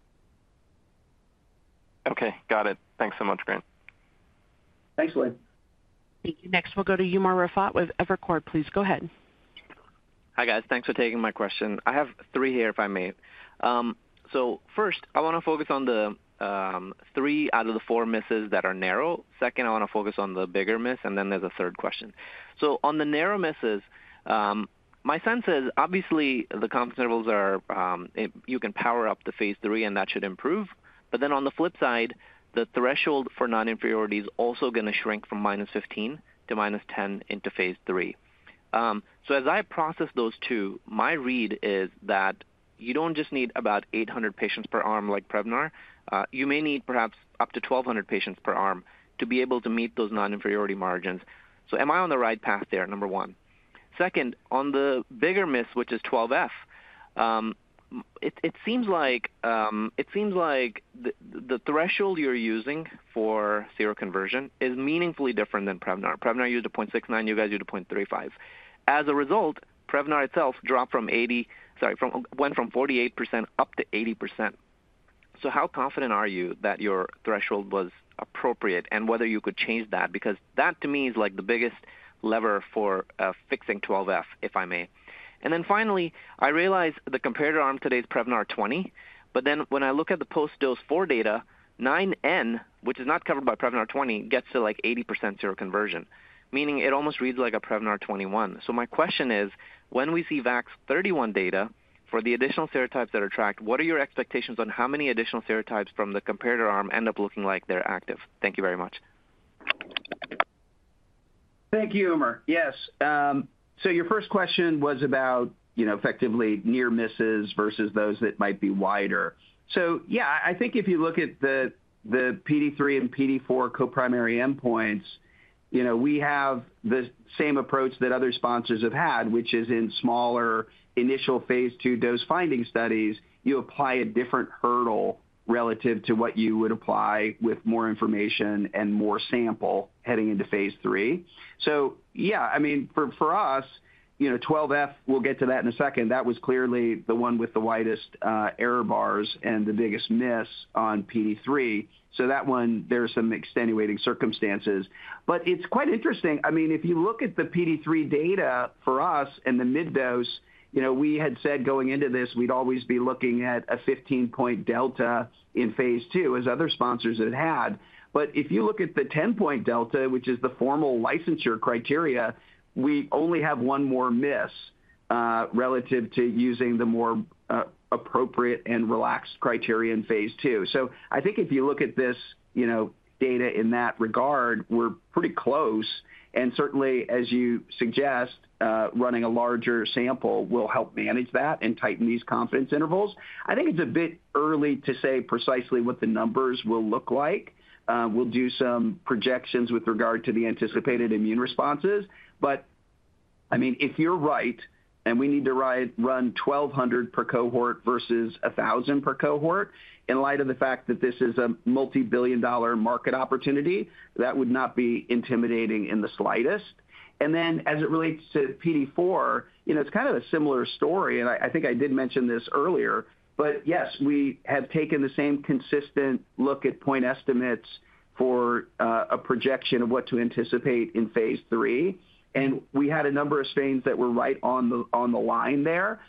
Okay, got it. Thanks so much, Grant. Thanks, William. Thank you. Next, we'll go to Umer Raffat with Evercore. Please go ahead. Hi guys. Thanks for taking my question. I have three here if I may. First, I want to focus on the three out of the four misses that are narrow. Second, I want to focus on the bigger miss, and then there's a third question. On the narrow misses, my sense is obviously the confidence intervals are you can power up the phase III, and that should improve. On the flip side, the threshold for non-inferiority is also going to shrink from minus 15 to minus 10 into phase III. As I process those two, my read is that you don't just need about 800 patients per arm like Prevnar. You may need perhaps up to 1,200 patients per arm to be able to meet those non-inferiority margins. Am I on the right path there, number one? Second, on the bigger miss, which is 12F, it seems like the threshold you're using for seroconversion is meaningfully different than Prevnar. Prevnar used a 0.69. You guys used a 0.35. As a result, Prevnar itself dropped from 48% up to 80%. How confident are you that your threshold was appropriate and whether you could change that? That, to me, is like the biggest lever for fixing 12F, if I may. Finally, I realized the comparator arm today is Prevnar 20. When I look at the post-dose four data, 9N, which is not covered by Prevnar 20, gets to like 80% seroconversion, meaning it almost reads like a Prevnar 21. My question is, when we see VAX-31 data for the additional serotypes that are tracked, what are your expectations on how many additional serotypes from the comparator arm end up looking like they're active? Thank you very much. Thank you, Umer. Yes. Your first question was about effectively near misses versus those that might be wider. I think if you look at the PD3 and PD4 coprimary endpoints, we have the same approach that other sponsors have had, which is in smaller initial phase II dose-finding studies, you apply a different hurdle relative to what you would apply with more information and more sample heading into phase III. I mean, for us, 12F, we'll get to that in a second. That was clearly the one with the widest error bars and the biggest miss on PD3. That one, there are some extenuating circumstances. It is quite interesting. I mean, if you look at the PD3 data for us in the mid-dose, we had said going into this we would always be looking at a 15-point delta in phase II, as other sponsors had had. If you look at the 10-point delta, which is the formal licensure criteria, we only have one more miss relative to using the more appropriate and relaxed criteria in phase II. I think if you look at this data in that regard, we are pretty close. Certainly, as you suggest, running a larger sample will help manage that and tighten these confidence intervals. I think it is a bit early to say precisely what the numbers will look like. We will do some projections with regard to the anticipated immune responses. I mean, if you're right and we need to run 1,200 per cohort versus 1,000 per cohort, in light of the fact that this is a multi-billion dollar market opportunity, that would not be intimidating in the slightest. As it relates to PD4, it's kind of a similar story. I think I did mention this earlier. Yes, we have taken the same consistent look at point estimates for a projection of what to anticipate in phase III. We had a number of strains that were right on the line there.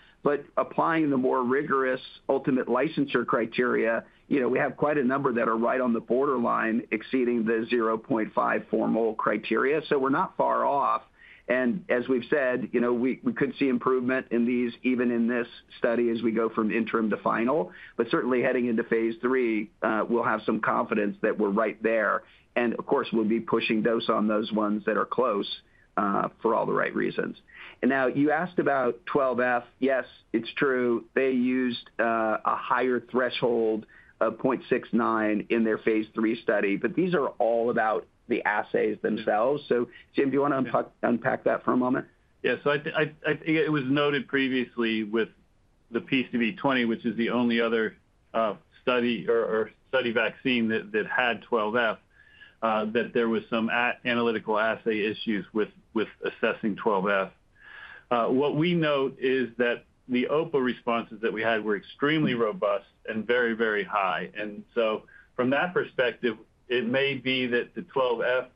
Applying the more rigorous ultimate licensure criteria, we have quite a number that are right on the borderline exceeding the 0.5 formal criteria. We're not far off. As we've said, we could see improvement in these, even in this study as we go from interim to final. Certainly, heading into phase III, we'll have some confidence that we're right there. Of course, we'll be pushing dose on those ones that are close for all the right reasons. You asked about 12F. Yes, it's true. They used a higher threshold of 0.69 in their phase III study. These are all about the assays themselves. Jim, do you want to unpack that for a moment? Yeah. It was noted previously with the PCV20, which is the only other study or study vaccine that had 12F, that there were some analytical assay issues with assessing 12F. What we note is that the OPA responses that we had were extremely robust and very, very high. From that perspective, it may be that the 12F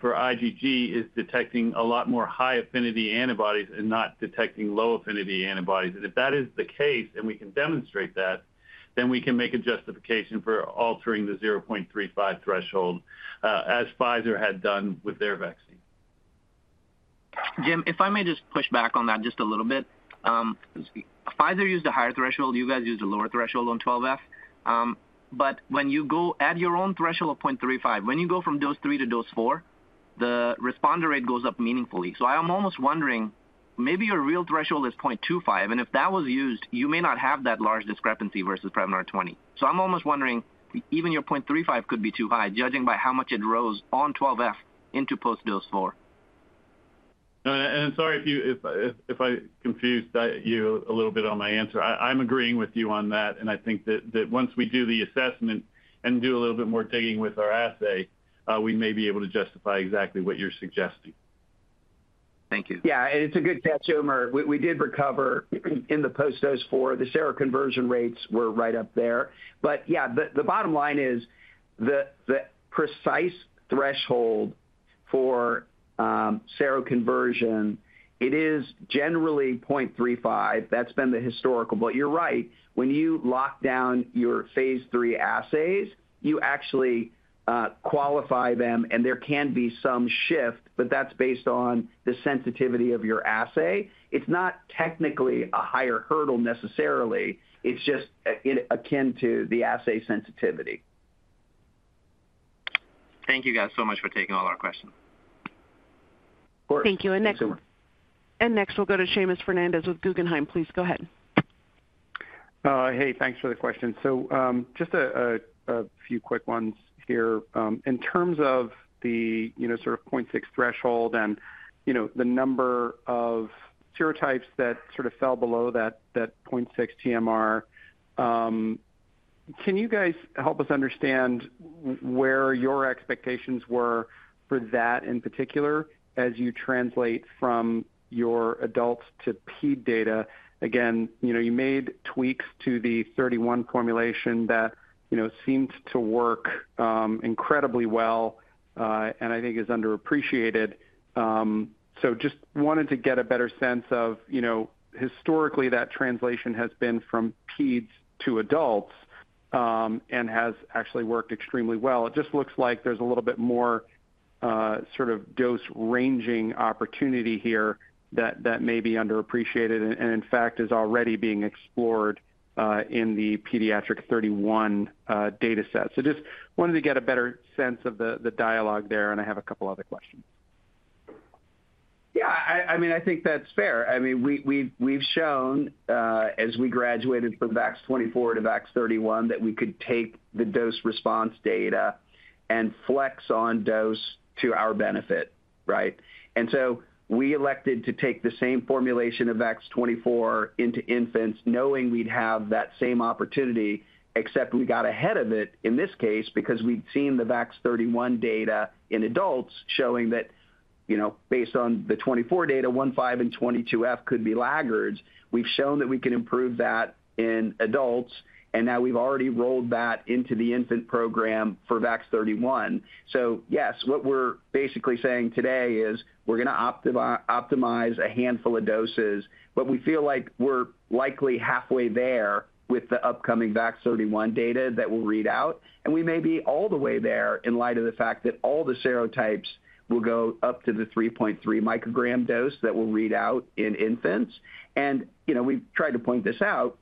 for IgG is detecting a lot more high affinity antibodies and not detecting low affinity antibodies. If that is the case and we can demonstrate that, then we can make a justification for altering the 0.35 threshold, as Pfizer had done with their vaccine. Jim, if I may just push back on that just a little bit. Pfizer used a higher threshold. You guys used a lower threshold on 12F. When you go at your own threshold of 0.35, when you go from dose three to dose four, the responder rate goes up meaningfully. I am almost wondering, maybe your real threshold is 0.25. If that was used, you may not have that large discrepancy versus Prevnar 20. I am almost wondering, even your 0.35 could be too high, judging by how much it rose on 12F into post-dose four. Sorry if I confused you a little bit on my answer. I am agreeing with you on that. I think that once we do the assessment and do a little bit more digging with our assay, we may be able to justify exactly what you're suggesting. Thank you. Yeah. It's a good catch, Umer. We did recover in the post-dose four. The seroconversion rates were right up there. Yeah, the bottom line is the precise threshold for seroconversion, it is generally 0.35. That's been the historical. You're right. When you lock down your phase III assays, you actually qualify them, and there can be some shift, but that's based on the sensitivity of your assay. It's not technically a higher hurdle necessarily. It's just akin to the assay sensitivity. Thank you guys so much for taking all our questions. Thank you. Next we'll go to Seamus Fernandez with Guggenheim. Please go ahead. Hey, thanks for the question. Just a few quick ones here. In terms of the sort of 0.6 threshold and the number of serotypes that sort of fell below that 0.6 TMR, can you guys help us understand where your expectations were for that in particular as you translate from your adult to PEED data? Again, you made tweaks to the 31 formulation that seemed to work incredibly well and I think is underappreciated. Just wanted to get a better sense of historically that translation has been from PEEDs to adults and has actually worked extremely well. It just looks like there's a little bit more sort of dose ranging opportunity here that may be underappreciated and in fact is already being explored in the pediatric 31 data set. Just wanted to get a better sense of the dialogue there, and I have a couple other questions. Yeah. I mean, I think that's fair. I mean, we've shown as we graduated from VAX-24 to VAX-31 that we could take the dose response data and flex on dose to our benefit, right? And so we elected to take the same formulation of VAX-24 into infants knowing we'd have that same opportunity, except we got ahead of it in this case because we'd seen the VAX-31 data in adults showing that based on the 24 data, 15 and 22F could be laggards. We've shown that we can improve that in adults, and now we've already rolled that into the infant program for VAX-31. Yes, what we're basically saying today is we're going to optimize a handful of doses, but we feel like we're likely halfway there with the upcoming VAX-31 data that we'll read out. We may be all the way there in light of the fact that all the serotypes will go up to the 3.3 microgram dose that we'll read out in infants. We've tried to point this out.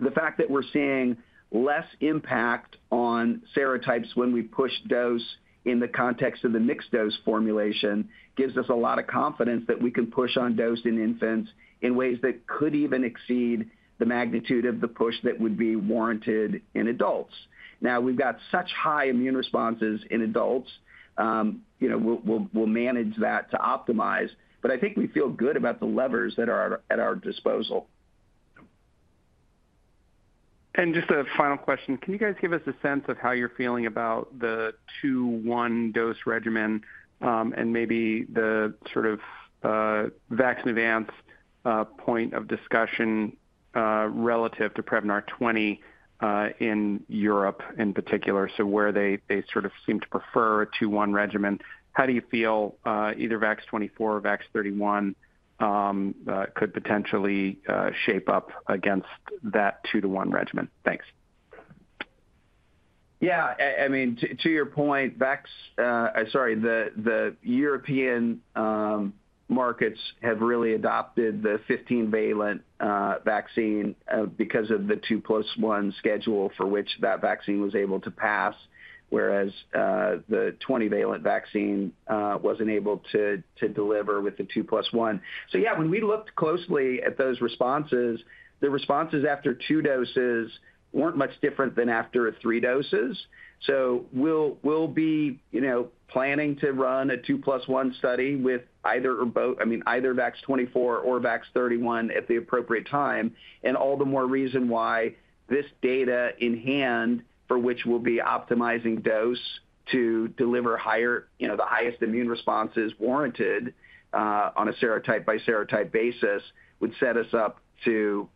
The fact that we're seeing less impact on serotypes when we push dose in the context of the mixed dose formulation gives us a lot of confidence that we can push on dose in infants in ways that could even exceed the magnitude of the push that would be warranted in adults. We've got such high immune responses in adults. We'll manage that to optimize. I think we feel good about the levers that are at our disposal. Just a final question. Can you guys give us a sense of how you're feeling about the 2-1 dose regimen and maybe the sort of vaccine advance point of discussion relative to Prevnar 20 in Europe in particular, where they sort of seem to prefer a 2-1 regimen? How do you feel either VAX-24 or VAX-31 could potentially shape up against that 2-1 regimen? Thanks. Yeah. I mean, to your point, the European markets have really adopted the 15-valent vaccine because of the two plus one schedule for which that vaccine was able to pass, whereas the 20-valent vaccine wasn't able to deliver with the two plus one. Yeah, when we looked closely at those responses, the responses after two doses weren't much different than after three doses. We will be planning to run a two plus one study with either, I mean, either VAX-24 or VAX-31 at the appropriate time. All the more reason why this data in hand for which we will be optimizing dose to deliver the highest immune responses warranted on a serotype-by-serotype basis would set us up to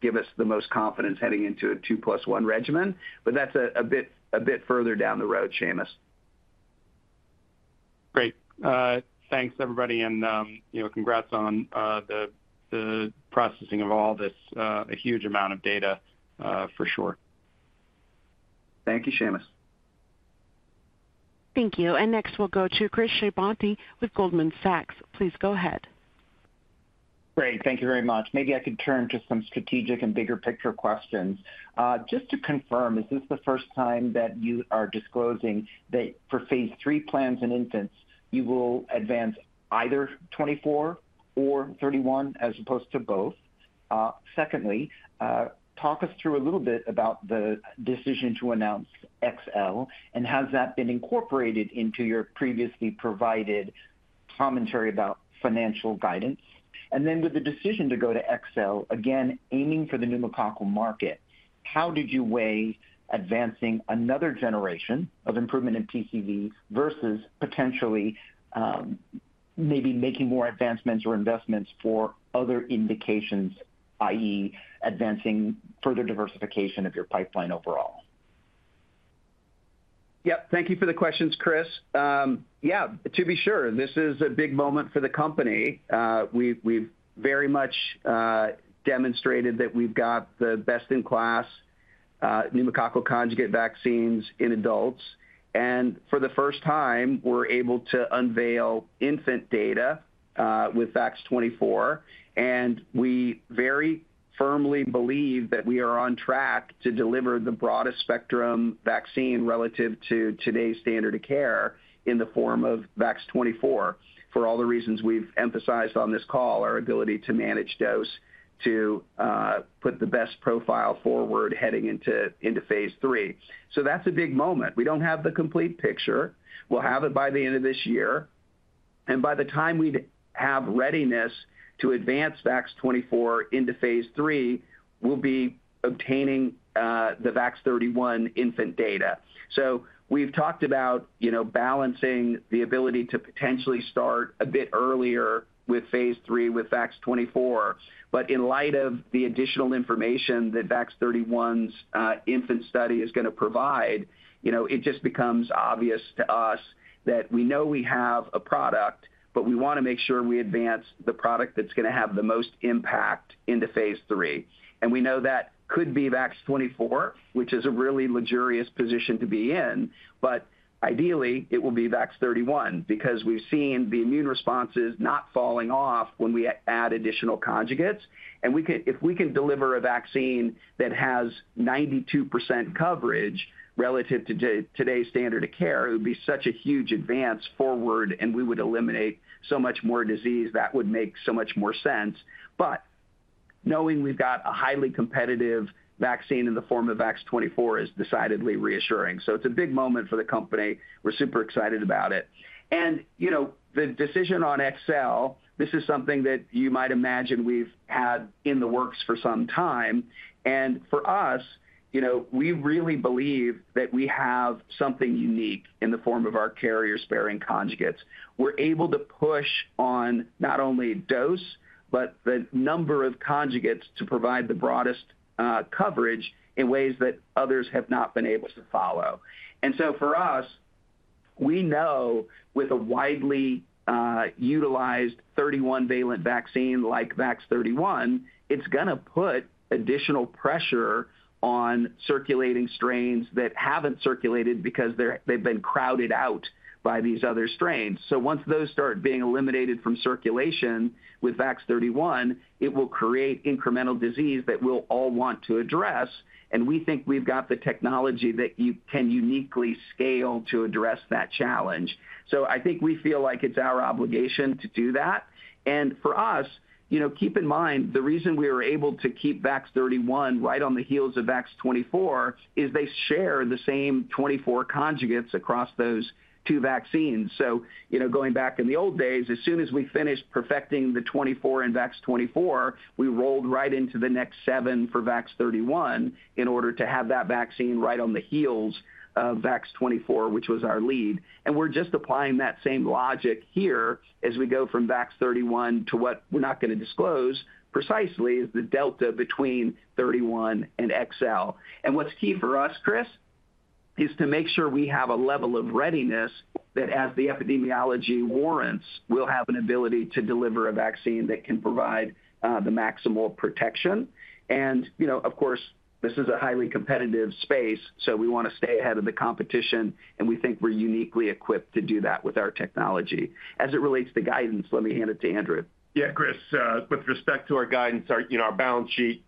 give us the most confidence heading into a two plus one regimen. That is a bit further down the road, Seamus. Great. Thanks, everybody. Congrats on the processing of all this, a huge amount of data for sure. Thank you, Seamus. Thank you. Next we will go to Chris Shibutani with Goldman Sachs. Please go ahead. Great. Thank you very much. Maybe I could turn to some strategic and bigger picture questions. Just to confirm, is this the first time that you are disclosing that for phase III plans in infants, you will advance either 24 or 31 as opposed to both? Secondly, talk us through a little bit about the decision to announce XL and how has that been incorporated into your previously provided commentary about financial guidance? And then with the decision to go to XL, again, aiming for the pneumococcal market, how did you weigh advancing another generation of improvement in PCV versus potentially maybe making more advancements or investments for other indications, i.e., advancing further diversification of your pipeline overall? Yep. Thank you for the questions, Chris. Yeah. To be sure, this is a big moment for the company. We've very much demonstrated that we've got the best-in-class pneumococcal conjugate vaccines in adults. For the first time, we're able to unveil infant data with VAX-24. We very firmly believe that we are on track to deliver the broadest spectrum vaccine relative to today's standard of care in the form of VAX-24 for all the reasons we've emphasized on this call, our ability to manage dose to put the best profile forward heading into phase III. That is a big moment. We do not have the complete picture. We will have it by the end of this year. By the time we have readiness to advance VAX-24 into phase III, we will be obtaining the VAX-31 infant data. We have talked about balancing the ability to potentially start a bit earlier with phase III with VAX-24. In light of the additional information that VAX-31's infant study is going to provide, it just becomes obvious to us that we know we have a product, but we want to make sure we advance the product that's going to have the most impact into phase III. We know that could be VAX-24, which is a really luxurious position to be in. Ideally, it will be VAX-31 because we've seen the immune responses not falling off when we add additional conjugates. If we can deliver a vaccine that has 92% coverage relative to today's standard of care, it would be such a huge advance forward, and we would eliminate so much more disease. That would make so much more sense. Knowing we've got a highly competitive vaccine in the form of VAX-24 is decidedly reassuring. It is a big moment for the company. We're super excited about it. The decision on XL, this is something that you might imagine we've had in the works for some time. For us, we really believe that we have something unique in the form of our carrier-sparing conjugates. We're able to push on not only dose, but the number of conjugates to provide the broadest coverage in ways that others have not been able to follow. For us, we know with a widely utilized 31-valent vaccine like VAX-31, it's going to put additional pressure on circulating strains that haven't circulated because they've been crowded out by these other strains. Once those start being eliminated from circulation with VAX-31, it will create incremental disease that we'll all want to address. We think we've got the technology that can uniquely scale to address that challenge. I think we feel like it's our obligation to do that. For us, keep in mind, the reason we were able to keep VAX-31 right on the heels of VAX-24 is they share the same 24 conjugates across those two vaccines. Going back in the old days, as soon as we finished perfecting the 24 in VAX-24, we rolled right into the next seven for VAX-31 in order to have that vaccine right on the heels of VAX-24, which was our lead. We're just applying that same logic here as we go from VAX-31 to what we're not going to disclose precisely is the delta between 31 and XL. What's key for us, Chris, is to make sure we have a level of readiness that, as the epidemiology warrants, we'll have an ability to deliver a vaccine that can provide the maximal protection. Of course, this is a highly competitive space, so we want to stay ahead of the competition, and we think we're uniquely equipped to do that with our technology. As it relates to guidance, let me hand it to Andrew. Yeah, Chris, with respect to our guidance, our balance sheet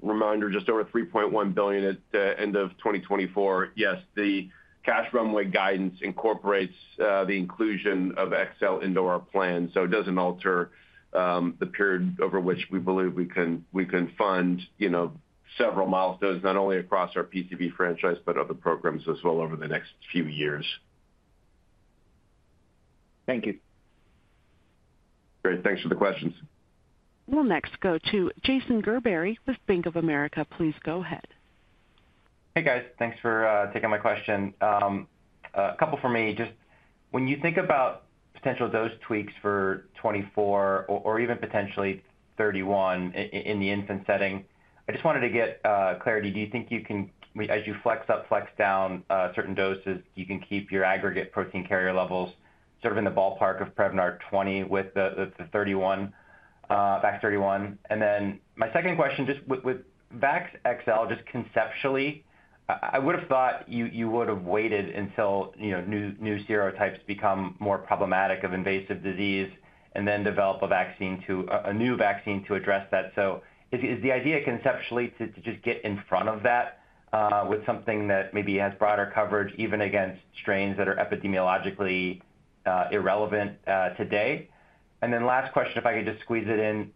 reminder just over $3.1 billion at the end of 2024. Yes, the cash runway guidance incorporates the inclusion of XL into our plan. It does not alter the period over which we believe we can fund several milestones, not only across our PCV franchise, but other programs as well over the next few years. Thank you. Great. Thanks for the questions. We'll next go to Jason Gerberry with Bank of America. Please go ahead. Hey, guys. Thanks for taking my question. A couple for me. Just when you think about potential dose tweaks for 24 or even potentially 31 in the infant setting, I just wanted to get clarity. Do you think you can, as you flex up, flex down certain doses, you can keep your aggregate protein carrier levels sort of in the ballpark of Prevnar 20 with the 31, VAX-31? My second question, just with VAXXL, just conceptually, I would have thought you would have waited until new serotypes become more problematic of invasive disease and then develop a new vaccine to address that. Is the idea conceptually to just get in front of that with something that maybe has broader coverage even against strains that are epidemiologically irrelevant today? Last question, if I could just squeeze it in.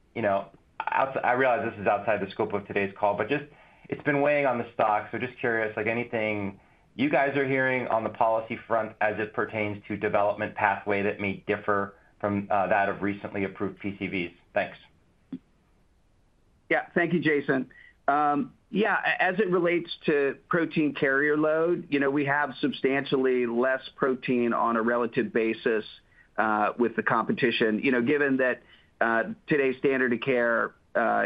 I realize this is outside the scope of today's call, but just it's been weighing on the stock. Just curious, anything you guys are hearing on the policy front as it pertains to development pathway that may differ from that of recently approved PCVs? Thanks. Yeah. Thank you, Jason. Yeah. As it relates to protein carrier load, we have substantially less protein on a relative basis with the competition. Given that today's standard of care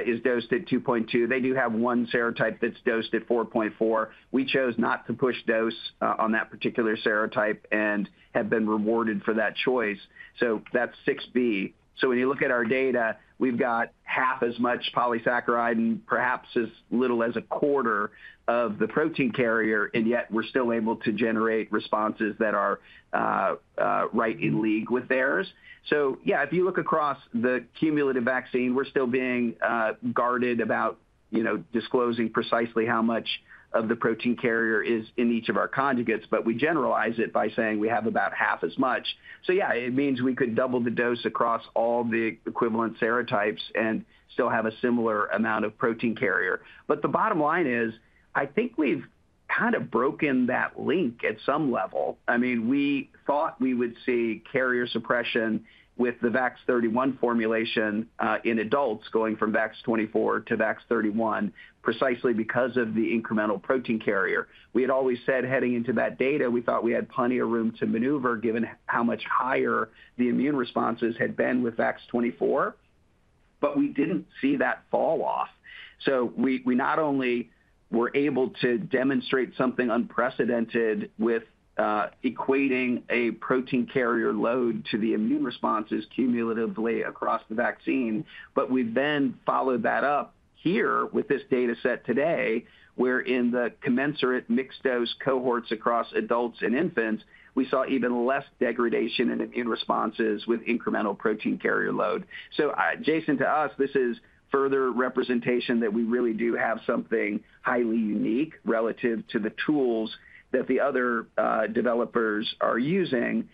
is dosed at 2.2, they do have one serotype that's dosed at 4.4. We chose not to push dose on that particular serotype and have been rewarded for that choice. So that's 6B. When you look at our data, we've got half as much polysaccharide and perhaps as little as a quarter of the protein carrier, and yet we're still able to generate responses that are right in league with theirs. Yeah, if you look across the cumulative vaccine, we're still being guarded about disclosing precisely how much of the protein carrier is in each of our conjugates, but we generalize it by saying we have about half as much. Yeah, it means we could double the dose across all the equivalent serotypes and still have a similar amount of protein carrier. The bottom line is I think we've kind of broken that link at some level. I mean, we thought we would see carrier suppression with the VAX-31 formulation in adults going from VAX-24 to VAX-31 precisely because of the incremental protein carrier. We had always said heading into that data, we thought we had plenty of room to maneuver given how much higher the immune responses had been with VAX-24, but we didn't see that fall off. We not only were able to demonstrate something unprecedented with equating a protein carrier load to the immune responses cumulatively across the vaccine, but we then followed that up here with this dataset today where in the commensurate mixed-dose cohorts across adults and infants, we saw even less degradation in immune responses with incremental protein carrier load. Jason, to us, this is further representation that we really do have something highly unique relative to the tools that the other developers are using.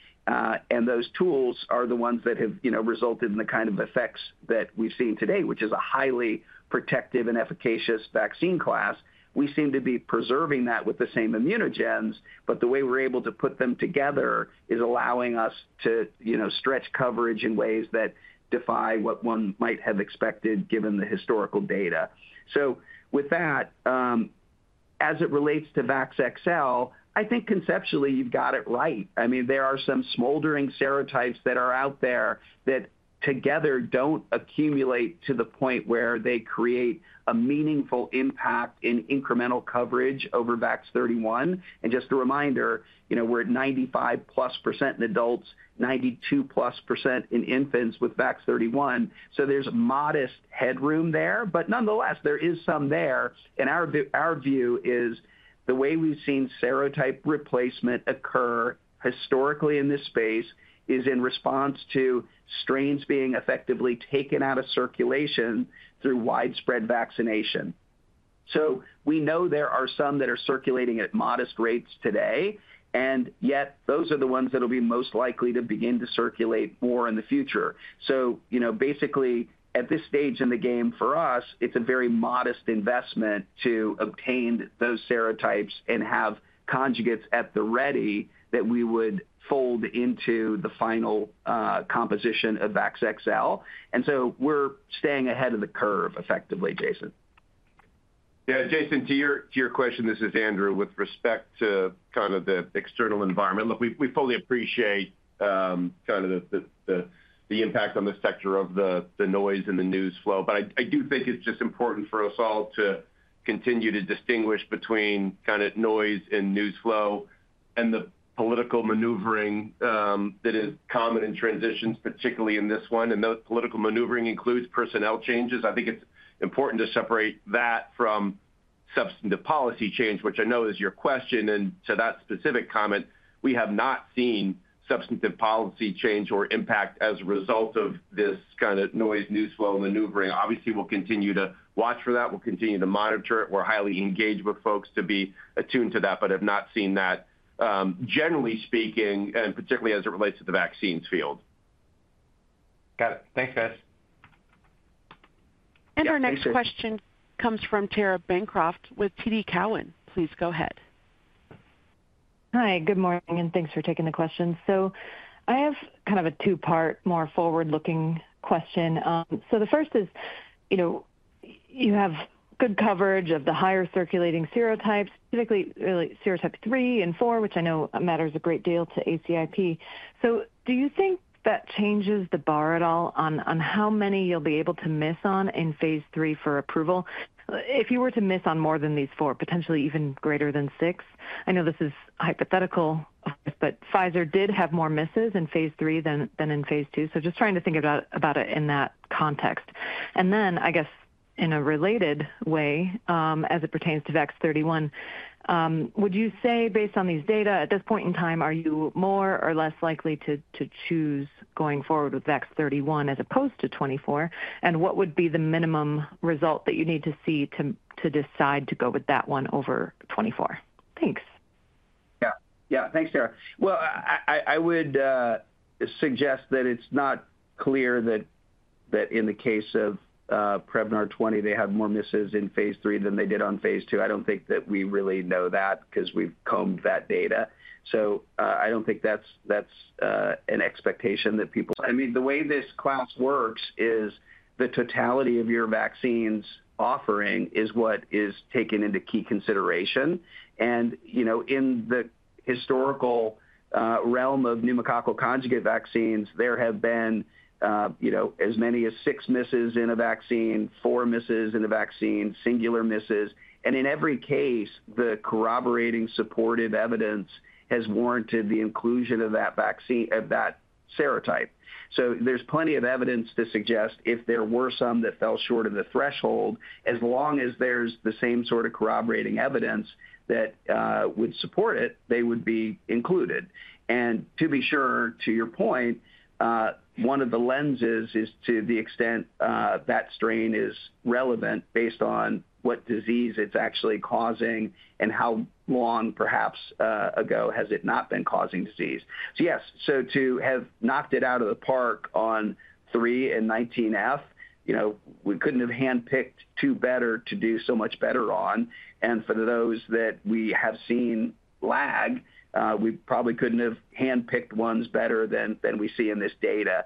Those tools are the ones that have resulted in the kind of effects that we've seen today, which is a highly protective and efficacious vaccine class. We seem to be preserving that with the same immunogens, but the way we're able to put them together is allowing us to stretch coverage in ways that defy what one might have expected given the historical data. As it relates to VAXXL, I think conceptually you've got it right. I mean, there are some smoldering serotypes that are out there that together don't accumulate to the point where they create a meaningful impact in incremental coverage over VAX-31. Just a reminder, we're at 95+% in adults, 92+% in infants with VAX-31. There is modest headroom there, but nonetheless, there is some there. Our view is the way we've seen serotype replacement occur historically in this space is in response to strains being effectively taken out of circulation through widespread vaccination. We know there are some that are circulating at modest rates today, and yet those are the ones that will be most likely to begin to circulate more in the future. Basically, at this stage in the game for us, it's a very modest investment to obtain those serotypes and have conjugates at the ready that we would fold into the final composition of VAXXL. We are staying ahead of the curve effectively, Jason. Jason, to your question, this is Andrew with respect to kind of the external environment. Look, we fully appreciate kind of the impact on the sector of the noise and the news flow, but I do think it's just important for us all to continue to distinguish between kind of noise and news flow and the political maneuvering that is common in transitions, particularly in this one. That political maneuvering includes personnel changes. I think it's important to separate that from substantive policy change, which I know is your question. To that specific comment, we have not seen substantive policy change or impact as a result of this kind of noise, news flow, maneuvering. Obviously, we'll continue to watch for that. We'll continue to monitor it. We're highly engaged with folks to be attuned to that, but have not seen that, generally speaking, and particularly as it relates to the vaccines field. Got it. Thanks, guys. Our next question comes from Tara Bancroft with TD Cowen. Please go ahead. Hi. Good morning, and thanks for taking the question. I have kind of a two-part, more forward-looking question. The first is you have good coverage of the higher circulating serotypes, particularly serotype three and four, which I know matters a great deal to ACIP. Do you think that changes the bar at all on how many you'll be able to miss on in phase III for approval if you were to miss on more than these four, potentially even greater than six? I know this is hypothetical, but Pfizer did have more misses in phase III than in phase II. Just trying to think about it in that context. I guess, in a related way, as it pertains to VAX-31, would you say, based on these data, at this point in time, are you more or less likely to choose going forward with VAX-31 as opposed to 24? What would be the minimum result that you need to see to decide to go with that one over 24? Thanks. Yeah. Yeah. Thanks, Tara. I would suggest that it's not clear that in the case of Prevnar 20, they have more misses in phase III than they did on phase II. I don't think that we really know that because we've combed that data. I don't think that's an expectation that people. I mean, the way this class works is the totality of your vaccines offering is what is taken into key consideration. In the historical realm of pneumococcal conjugate vaccines, there have been as many as six misses in a vaccine, four misses in a vaccine, singular misses. In every case, the corroborating supportive evidence has warranted the inclusion of that serotype. There's plenty of evidence to suggest if there were some that fell short of the threshold, as long as there's the same sort of corroborating evidence that would support it, they would be included. To be sure, to your point, one of the lenses is to the extent that strain is relevant based on what disease it's actually causing and how long, perhaps, ago has it not been causing disease. Yes, to have knocked it out of the park on three and 19F, we couldn't have handpicked two better to do so much better on. For those that we have seen lag, we probably couldn't have handpicked ones better than we see in this data.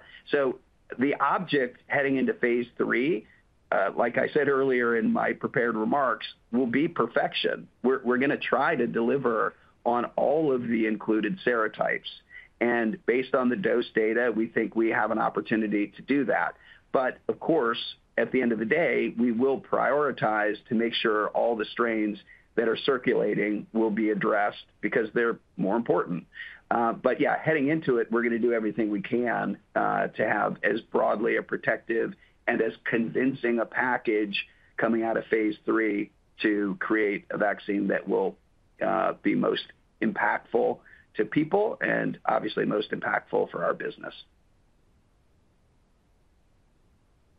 The object heading into phase III, like I said earlier in my prepared remarks, will be perfection. We're going to try to deliver on all of the included serotypes. Based on the dose data, we think we have an opportunity to do that. Of course, at the end of the day, we will prioritize to make sure all the strains that are circulating will be addressed because they're more important. Yeah, heading into it, we're going to do everything we can to have as broadly a protective and as convincing a package coming out of phase III to create a vaccine that will be most impactful to people and obviously most impactful for our business.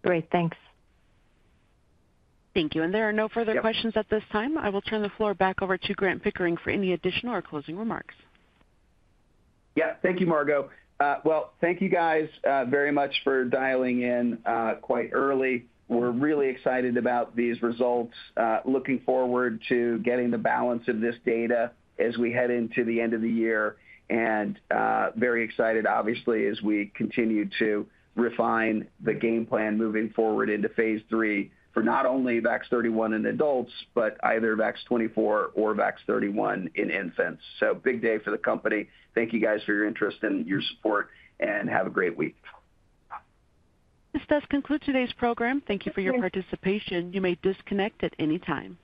Great. Thanks. Thank you. There are no further questions at this time. I will turn the floor back over to Grant Pickering for any additional or closing remarks. Thank you, Margo. Thank you, guys, very much for dialing in quite early. We're really excited about these results, looking forward to getting the balance of this data as we head into the end of the year. Very excited, obviously, as we continue to refine the game plan moving forward into phase III for not only VAX-31 in adults, but either VAX-24 or VAX-31 in infants. Big day for the company. Thank you, guys, for your interest and your support, and have a great week. This does conclude today's program. Thank you for your participation. You may disconnect at any time.